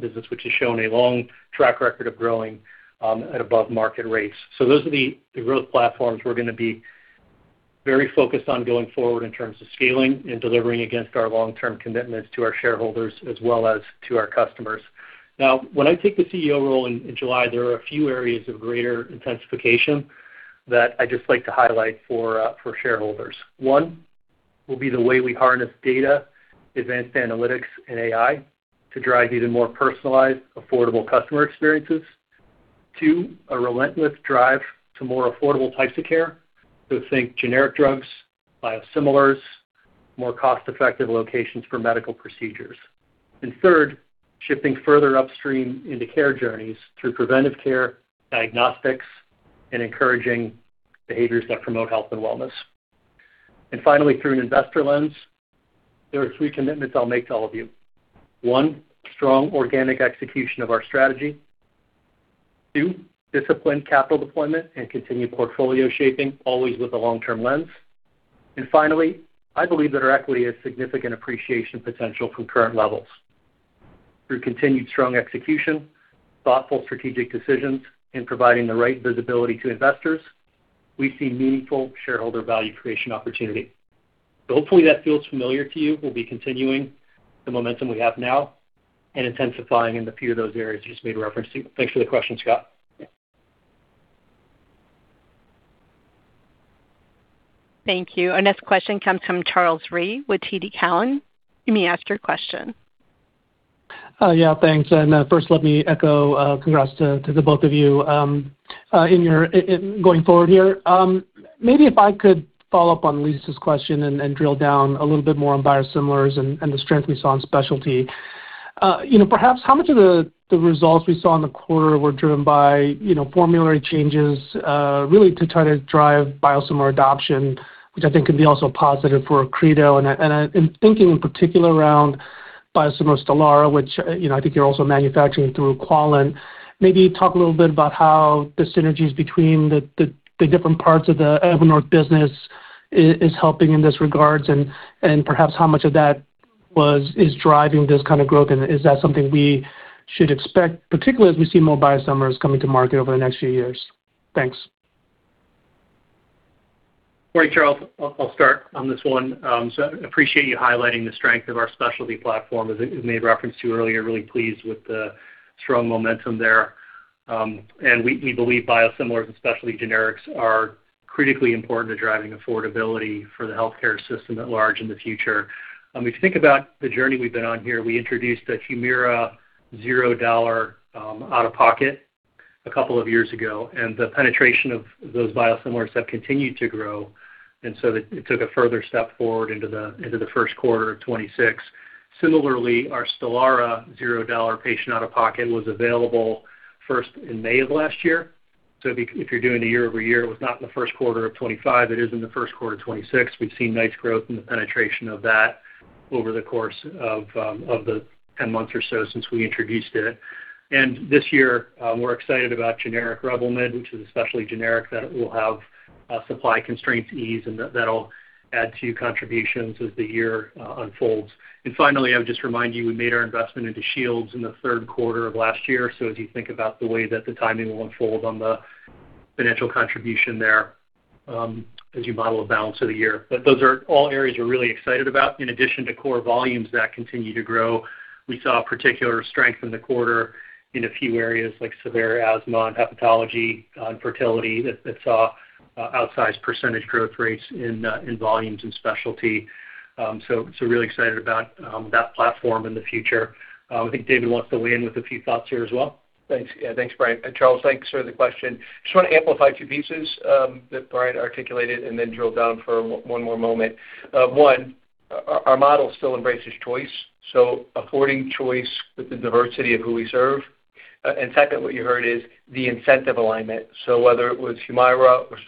business, which has shown a long track record of growing at above-market rates. Those are the growth platforms we're gonna be very focused on going forward in terms of scaling and delivering against our long-term commitments to our shareholders as well as to our customers. Now, when I take the CEO role in July, there are a few areas of greater intensification that I'd just like to highlight for shareholders. One will be the way we harness data, advanced analytics, and AI to drive even more personalized, affordable customer experiences. Two, a relentless drive to more affordable types of care. Think generic drugs, biosimilars, more cost-effective locations for medical procedures. Third, shifting further upstream into care journeys through preventive care, diagnostics, and encouraging behaviors that promote health and wellness. Finally, through an investor lens, there are three commitments I'll make to all of you. One, strong organic execution of our strategy. Two, disciplined capital deployment and continued portfolio shaping, always with a long-term lens. Finally, I believe that our equity has significant appreciation potential from current levels. Through continued strong execution, thoughtful strategic decisions, and providing the right visibility to investors, we see meaningful shareholder value creation opportunity. Hopefully that feels familiar to you. We'll be continuing the momentum we have now and intensifying in a few of those areas you just made a reference to. Thanks for the question, Scott. Thank you. Our next question comes from Charles Rhyee with TD Cowen. You may ask your question. Yeah, thanks. First let me echo congrats to the both of you in your going forward here. Maybe if I could follow up on Lisa's question and drill down a little bit more on biosimilars and the strength we saw in specialty. You know, perhaps how much of the results we saw in the quarter were driven by you know, formulary changes really to try to drive biosimilar adoption, which I think can be also positive for Accredo. I am thinking in particular around biosimilar Stelara, which you know, I think you're also manufacturing through Quallent. Maybe talk a little bit about how the synergies between the different parts of the Evernorth business is helping in this regard, and perhaps how much of that is driving this kind of growth, and is that something we should expect, particularly as we see more biosimilars coming to market over the next few years? Thanks. Morning, Charles. I'll start on this one. Appreciate you highlighting the strength of our specialty platform, as you made reference to earlier. Really pleased with the strong momentum there. We believe biosimilars and specialty generics are critically important to driving affordability for the healthcare system at large in the future. If you think about the journey we've been on here, we introduced the Humira $0 out-of-pocket a couple of years ago, and the penetration of those biosimilars have continued to grow. It took a further step forward into the first quarter of 2026. Similarly, our Stelara $0 patient out-of-pocket was available first in May of last year. If you're doing a year-over-year, it was not in the first quarter of 2025, it is in the first quarter of 2026. We've seen nice growth in the penetration of that over the course of of the 10 months or so since we introduced it. This year, we're excited about generic Revlimid, which is a specialty generic that will have supply constraints ease, and that'll add to contributions as the year unfolds. Finally, I would just remind you, we made our investment into Shields in the third quarter of last year. As you think about the way that the timing will unfold on the financial contribution there, as you model the balance of the year. Those are all areas we're really excited about. In addition to core volumes that continue to grow, we saw particular strength in the quarter in a few areas like severe asthma and hepatology, and fertility that saw outsized percentage growth rates in volumes and specialty. So really excited about that platform in the future. I think David wants to weigh in with a few thoughts here as well. Thanks. Yeah, thanks, Brian. And Charles, thanks for the question. Just wanna amplify a few pieces that Brian articulated and then drill down for one more moment. One, our model still embraces choice, so affording choice with the diversity of who we serve. Second, what you heard is the incentive alignment. Whether it was Humira or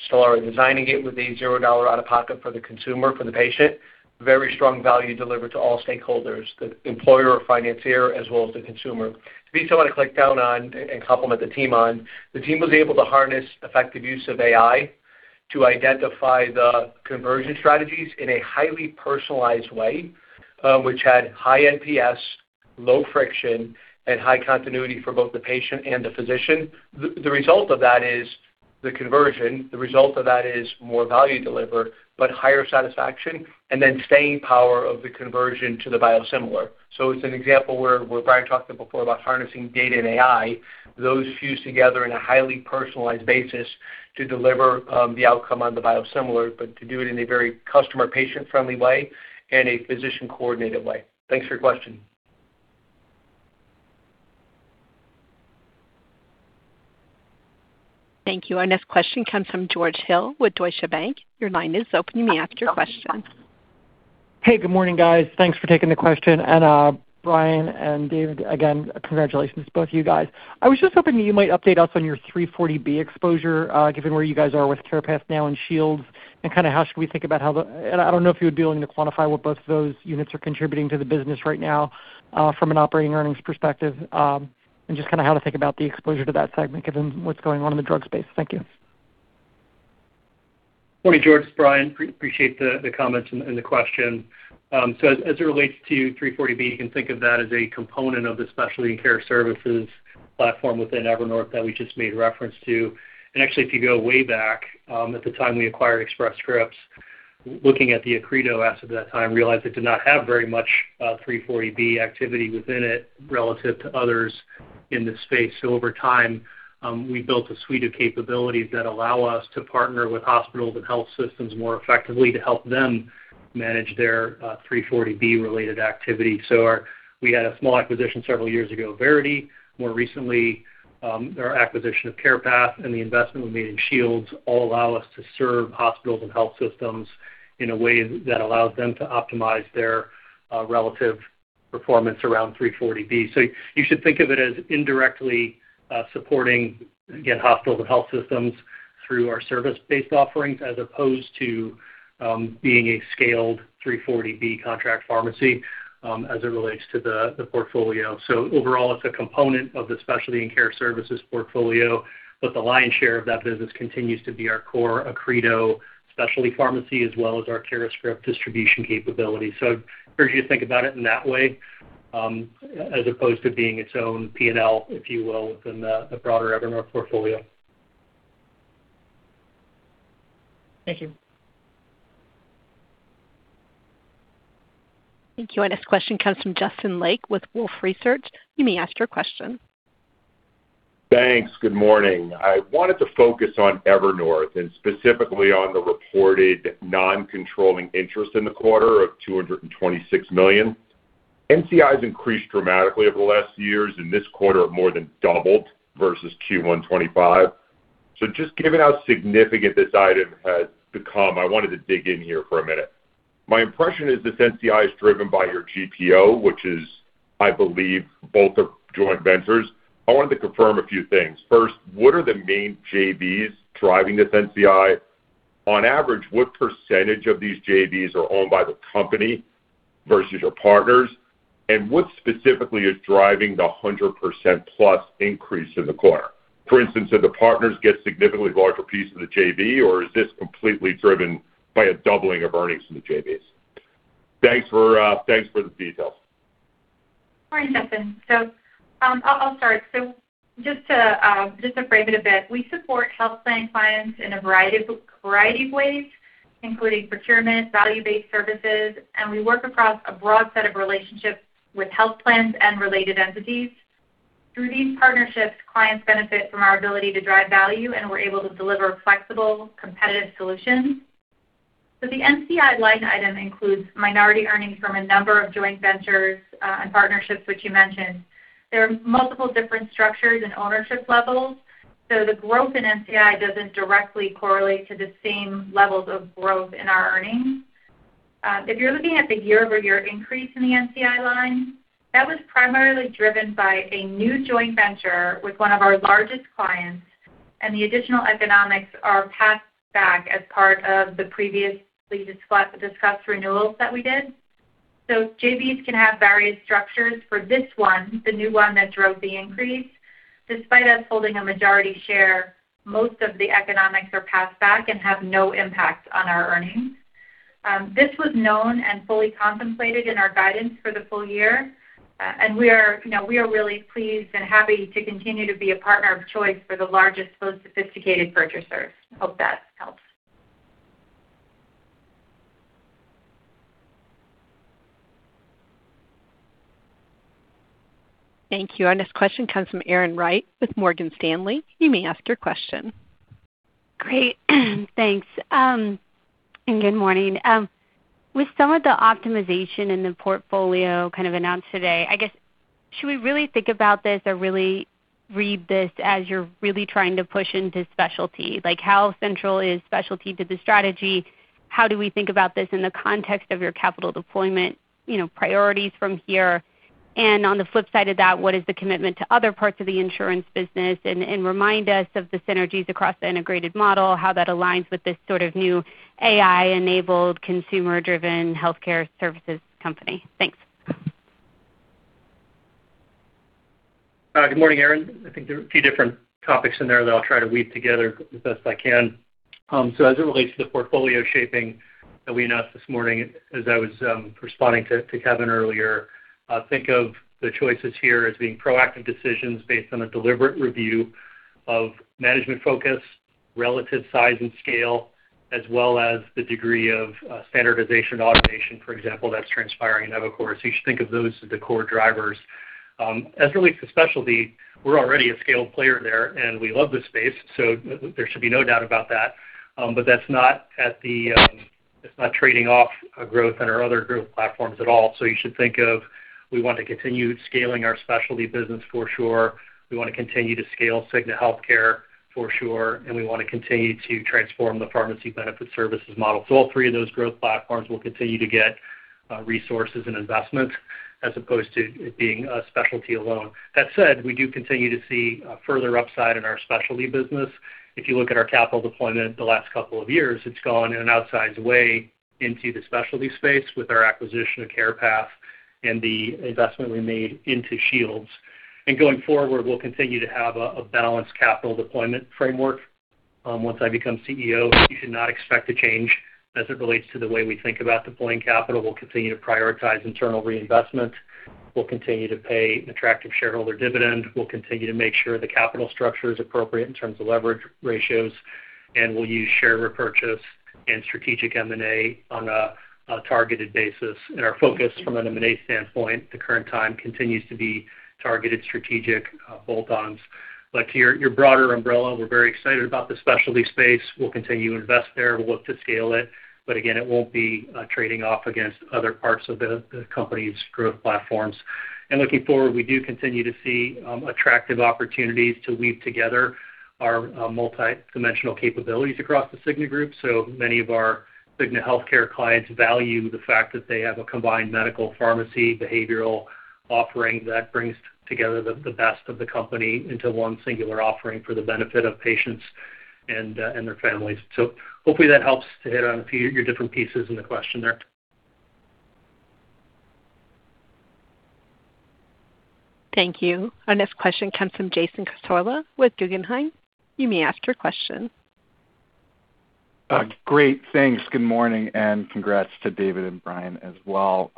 Stelara, designing it with a $0 out-of-pocket for the consumer, for the patient, very strong value delivered to all stakeholders, the employer or financier, as well as the consumer. These I wanna click down on and compliment the team on. The team was able to harness effective use of AI to identify the conversion strategies in a highly personalized way, which had high NPS, low friction, and high continuity for both the patient and the physician. The result of that is the conversion. The result of that is more value delivered, but higher satisfaction, and then staying power of the conversion to the biosimilar. It's an example where Brian talked about before about harnessing data and AI, those fused together in a highly personalized basis to deliver, the outcome on the biosimilar, but to do it in a very customer, patient-friendly way and a physician coordinated way. Thanks for your question. Thank you. Our next question comes from George Hill with Deutsche Bank. Your line is open. You may ask your question. Hey, good morning, guys. Thanks for taking the question. Brian and David, again, congratulations to both of you guys. I was just hoping you might update us on your 340B exposure, given where you guys are with Carepath now and Shields, and kinda how should we think about the exposure to that segment. I don't know if you would be able to quantify what both of those units are contributing to the business right now, from an operating earnings perspective, and just kinda how to think about the exposure to that segment given what's going on in the drug space. Thank you. Morning, George. It's Brian. Appreciate the comments and the question. As it relates to 340B, you can think of that as a component of the specialty care services platform within Evernorth that we just made reference to. Actually, if you go way back, at the time we acquired Express Scripts, looking at the Accredo asset at that time, realized it did not have very much 340B activity within it relative to others in this space. Over time, we built a suite of capabilities that allow us to partner with hospitals and health systems more effectively to help them manage their 340B related activity. We had a small acquisition several years ago, Verity. More recently, our acquisition of Carepath and the investment we made in Shields all allow us to serve hospitals and health systems in a way that allows them to optimize their relative performance around 340B. You should think of it as indirectly supporting, again, hospitals and health systems through our service-based offerings as opposed to being a scaled 340B contract pharmacy as it relates to the portfolio. Overall, it's a component of the Specialty and Care Services portfolio, but the lion's share of that business continues to be our core Accredo specialty pharmacy, as well as our CuraScript distribution capability. Encourage you to think about it in that way as opposed to being its own P&L, if you will, within the broader Evernorth portfolio. Thank you. Thank you. Our next question comes from Justin Lake with Wolfe Research. You may ask your question. Thanks. Good morning. I wanted to focus on Evernorth and specifically on the reported non-controlling interest in the quarter of $226 million. NCI has increased dramatically over the last years, and this quarter has more than doubled versus Q1 2025. Just given how significant this item has become, I wanted to dig in here for a minute. My impression is this NCI is driven by your GPO, which is, I believe, both are joint ventures. I wanted to confirm a few things. First, what are the main JVs driving this NCI? On average, what percentage of these JVs are owned by the company versus your partners? And what specifically is driving the 100%+ increase in the quarter? For instance, do the partners get significantly larger piece of the JV, or is this completely driven by a doubling of earnings from the JVs? Thanks for the details. Morning, Justin. I'll start. Just to frame it a bit, we support health plan clients in a variety of ways, including procurement, value-based services, and we work across a broad set of relationships with health plans and related entities. Through these partnerships, clients benefit from our ability to drive value, and we're able to deliver flexible, competitive solutions. The NCI line item includes minority earnings from a number of joint ventures and partnerships which you mentioned. There are multiple different structures and ownership levels, so the growth in NCI doesn't directly correlate to the same levels of growth in our earnings. If you're looking at the year-over-year increase in the NCI line, that was primarily driven by a new joint venture with one of our largest clients, and the additional economics are passed back as part of the previously discussed renewals that we did. JVs can have various structures. For this one, the new one that drove the increase, despite us holding a majority share, most of the economics are passed back and have no impact on our earnings. This was known and fully contemplated in our guidance for the full year. And we are, you know, we are really pleased and happy to continue to be a partner of choice for the largest, most sophisticated purchasers. Hope that. Thank you. Our next question comes from Erin Wright with Morgan Stanley. You may ask your question. Great. Thanks, and good morning. With some of the optimization in the portfolio kind of announced today, I guess, should we really think about this or really read this as you're really trying to push into specialty? Like, how central is specialty to the strategy? How do we think about this in the context of your capital deployment, you know, priorities from here? On the flip side of that, what is the commitment to other parts of the insurance business? Remind us of the synergies across the integrated model, how that aligns with this sort of new AI-enabled, consumer-driven healthcare services company. Thanks. Good morning, Erin. I think there are a few different topics in there that I'll try to weave together as best I can. As it relates to the portfolio shaping that we announced this morning, as I was responding to Kevin earlier, think of the choices here as being proactive decisions based on a deliberate review of management focus, relative size and scale, as well as the degree of standardization automation, for example, that's transpiring in EviCore. You should think of those as the core drivers. As it relates to specialty, we're already a scaled player there, and we love the space, so there should be no doubt about that. That's not at the. It's not trading off growth in our other growth platforms at all. You should think of, we want to continue scaling our specialty business for sure. We wanna continue to scale Cigna Healthcare for sure, and we wanna continue to transform the Pharmacy Benefit Services model. All three of those growth platforms will continue to get resources and investment as opposed to it being specialty alone. That said, we do continue to see further upside in our specialty business. If you look at our capital deployment the last couple of years, it's gone in an outsized way into the specialty space with our acquisition of CarePath and the investment we made into Shields. Going forward, we'll continue to have a balanced capital deployment framework. Once I become CEO, you should not expect a change as it relates to the way we think about deploying capital. We'll continue to prioritize internal reinvestment. We'll continue to pay attractive shareholder dividend. We'll continue to make sure the capital structure is appropriate in terms of leverage ratios, and we'll use share repurchase and strategic M&A on a targeted basis. Our focus from an M&A standpoint at the current time continues to be targeted strategic bolt-ons. To your broader umbrella, we're very excited about the specialty space. We'll continue to invest there. We'll look to scale it. Again, it won't be trading off against other parts of the company's growth platforms. Looking forward, we do continue to see attractive opportunities to weave together our multidimensional capabilities across The Cigna Group. Many of our Cigna Healthcare clients value the fact that they have a combined medical pharmacy behavioral offering that brings together the best of the company into one singular offering for the benefit of patients and their families. Hopefully that helps to hit on a few of your different pieces in the question there. Thank you. Our next question comes from Jason Cassorla with Guggenheim. You may ask your question. Thanks. Good morning, and congrats to David and Brian as well.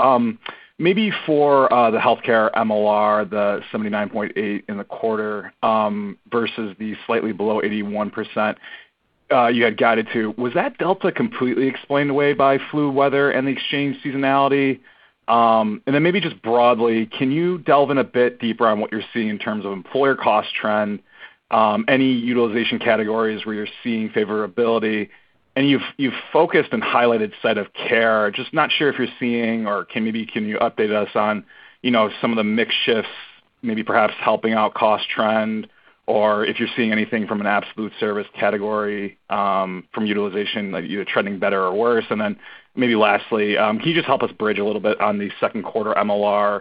Maybe for the healthcare MLR, the 79.8% in the quarter, versus the slightly below 81% you had guided to, was that delta completely explained away by flu weather and the exchange seasonality? Then maybe just broadly, can you delve in a bit deeper on what you're seeing in terms of employer cost trend, any utilization categories where you're seeing favorability? You've, you've focused and highlighted site of care. Just not sure if you're seeing or can you update us on, you know, some of the mix shifts maybe perhaps helping out cost trend or if you're seeing anything from an absolute service category, from utilization, like, you're trending better or worse. Maybe lastly, can you just help us bridge a little bit on the second quarter MLR,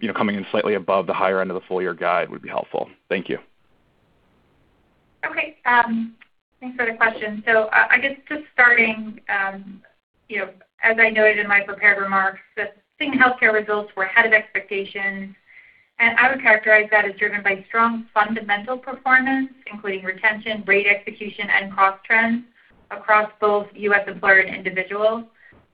you know, coming in slightly above the higher end of the full year guide would be helpful. Thank you. Okay. Thanks for the question. I guess just starting, you know, as I noted in my prepared remarks, the Cigna Healthcare results were ahead of expectations, and I would characterize that as driven by strong fundamental performance, including retention, rate execution, and cost trends across both U.S. employer and individual.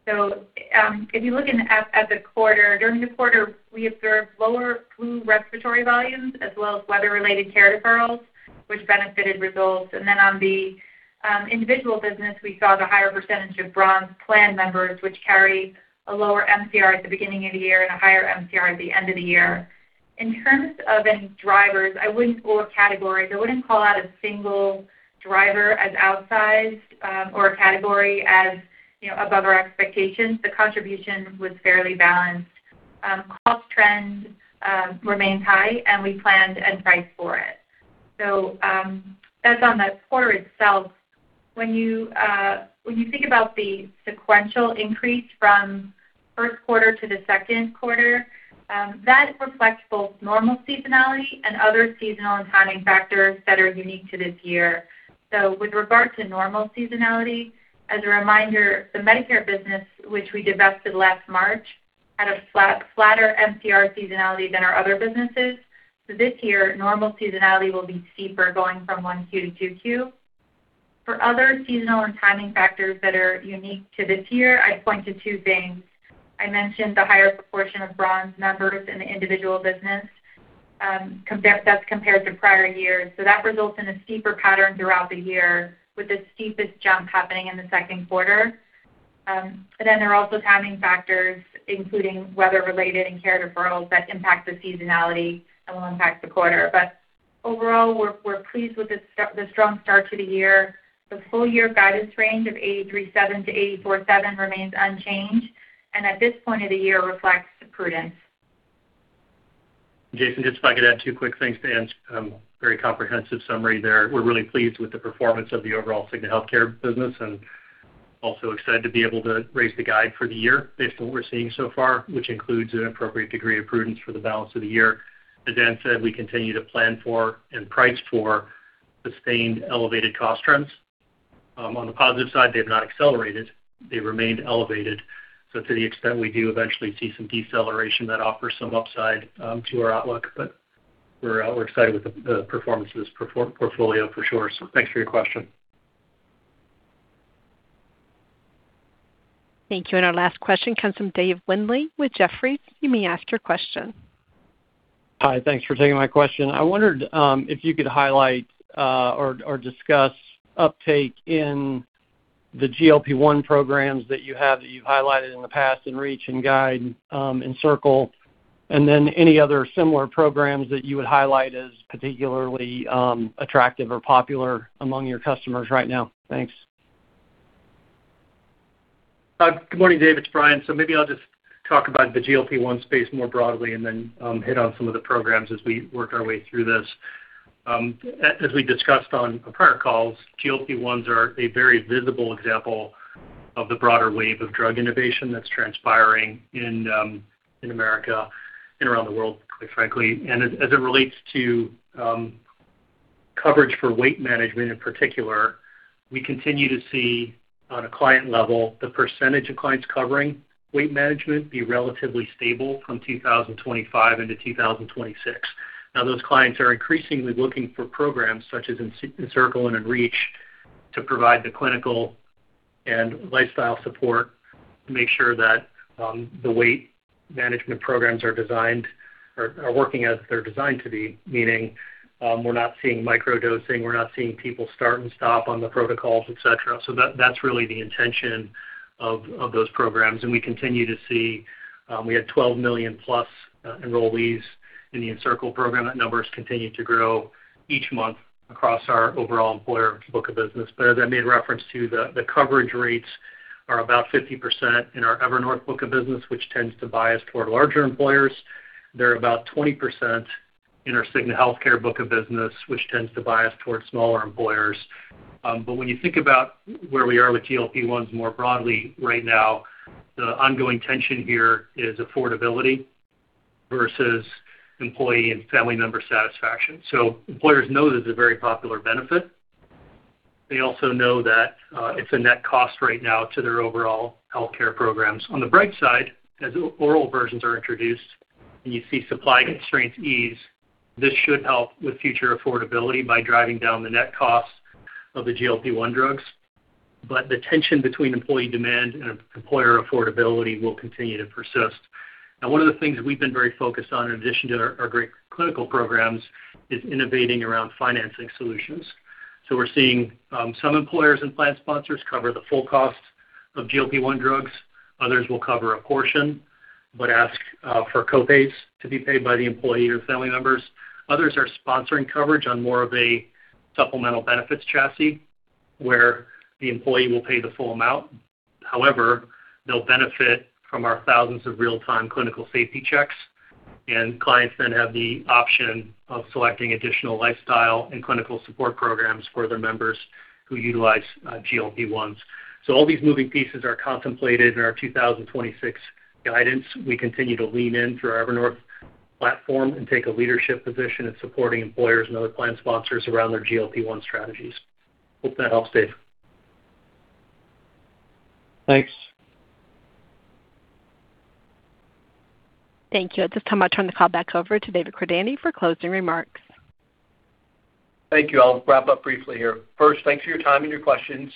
If you look at the quarter, during the quarter, we observed lower flu respiratory volumes as well as weather-related care deferrals, which benefited results. On the individual business, we saw the higher percentage of Bronze plan members, which carry a lower MCR at the beginning of the year and a higher MCR at the end of the year. In terms of any drivers, I wouldn't pull a category. I wouldn't call out a single driver as outsized or a category as, you know, above our expectations. The contribution was fairly balanced. Cost trends remained high, and we planned and priced for it. As on the quarter itself, when you think about the sequential increase from first quarter to the second quarter, that reflects both normal seasonality and other seasonal and timing factors that are unique to this year. With regard to normal seasonality, as a reminder, the Medicare business, which we divested last March, had a flat-flatter MCR seasonality than our other businesses. This year, normal seasonality will be steeper going from 1Q to 2Q. For other seasonal and timing factors that are unique to this year, I'd point to two things. I mentioned the higher proportion of Bronze members in the individual business, that's compared to prior years. That results in a steeper pattern throughout the year, with the steepest jump happening in the second quarter. There are also timing factors, including weather-related and care deferrals that impact the seasonality and will impact the quarter. Overall, we're pleased with the strong start to the year. The full-year guidance range of $83.7-$84.7 remains unchanged, and at this point of the year reflects prudence. Jason, just if I could add two quick things to Ann's very comprehensive summary there. We're really pleased with the performance of the overall Cigna Healthcare business and also excited to be able to raise the guide for the year based on what we're seeing so far, which includes an appropriate degree of prudence for the balance of the year. As Ann said, we continue to plan for and price for sustained elevated cost trends. On the positive side, they have not accelerated. They remained elevated. To the extent we do eventually see some deceleration, that offers some upside to our outlook, but we're excited with the performance of this portfolio for sure. Thanks for your question. Thank you. Our last question comes from Dave Windley with Jefferies. You may ask your question. Hi. Thanks for taking my question. I wondered if you could highlight or discuss uptake in the GLP-1 programs that you have that you've highlighted in the past, EnReach and EnGuide, Encircle, and then any other similar programs that you would highlight as particularly attractive or popular among your customers right now. Thanks. Good morning, Dave. It's Brian. Maybe I'll just talk about the GLP-1 space more broadly and then hit on some of the programs as we work our way through this. As we discussed on prior calls, GLP-1s are a very visible example of the broader wave of drug innovation that's transpiring in America and around the world, quite frankly. As it relates to coverage for weight management in particular, we continue to see, on a client level, the percentage of clients covering weight management be relatively stable from 2025 into 2026. Now those clients are increasingly looking for programs such as Encircle and EnReach to provide the clinical and lifestyle support to make sure that the weight management programs are designed or are working as they're designed to be, meaning we're not seeing microdosing, we're not seeing people start and stop on the protocols, et cetera. So that's really the intention of those programs. We continue to see. We had 12 million+ enrollees in the Encircle program. That number has continued to grow each month across our overall employer book of business. But as I made reference to, the coverage rates are about 50% in our Evernorth book of business, which tends to bias toward larger employers. They're about 20% in our Cigna Healthcare book of business, which tends to bias towards smaller employers. When you think about where we are with GLP-1s more broadly right now, the ongoing tension here is affordability versus employee and family member satisfaction. Employers know this is a very popular benefit. They also know that it's a net cost right now to their overall healthcare programs. On the bright side, as oral versions are introduced and you see supply constraints ease, this should help with future affordability by driving down the net cost of the GLP-1 drugs. The tension between employee demand and employer affordability will continue to persist. Now one of the things we've been very focused on in addition to our great clinical programs is innovating around financing solutions. We're seeing some employers and plan sponsors cover the full cost of GLP-1 drugs. Others will cover a portion, but ask for copays to be paid by the employee or family members. Others are sponsoring coverage on more of a supplemental benefits chassis, where the employee will pay the full amount. However, they'll benefit from our thousands of real-time clinical safety checks, and clients then have the option of selecting additional lifestyle and clinical support programs for their members who utilize GLP-1s. All these moving pieces are contemplated in our 2026 guidance. We continue to lean in through our Evernorth platform and take a leadership position in supporting employers and other plan sponsors around their GLP-1 strategies. Hope that helps, Dave. Thanks. Thank you. At this time, I'll turn the call back over to David Cordani for closing remarks. Thank you. I'll wrap up briefly here. First, thanks for your time and your questions.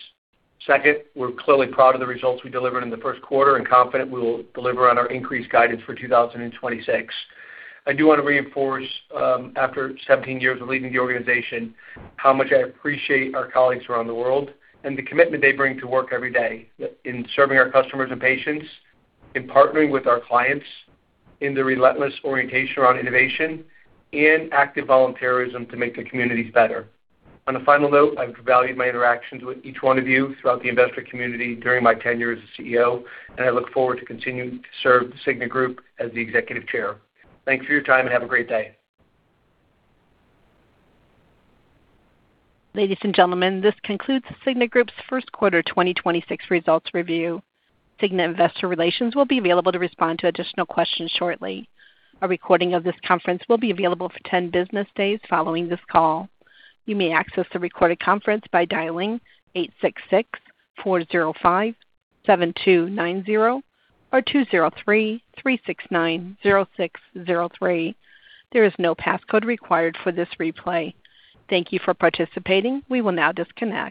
Second, we're clearly proud of the results we delivered in the first quarter and confident we will deliver on our increased guidance for 2026. I do wanna reinforce, after 17 years of leading the organization, how much I appreciate our colleagues around the world and the commitment they bring to work every day in serving our customers and patients, in partnering with our clients, in the relentless orientation around innovation, and active volunteerism to make their communities better. On a final note, I've valued my interactions with each one of you throughout the investor community during my tenure as CEO, and I look forward to continuing to serve The Cigna Group as the Executive Chair. Thank you for your time, and have a great day. Ladies and gentlemen, this concludes The Cigna Group's first quarter 2026 results review. The Cigna Group's Investor Relations will be available to respond to additional questions shortly. A recording of this conference will be available for 10 business days following this call. You may access the recorded conference by dialing 866-405-7290 or 203-369-0603. There is no passcode required for this replay. Thank you for participating. We will now disconnect.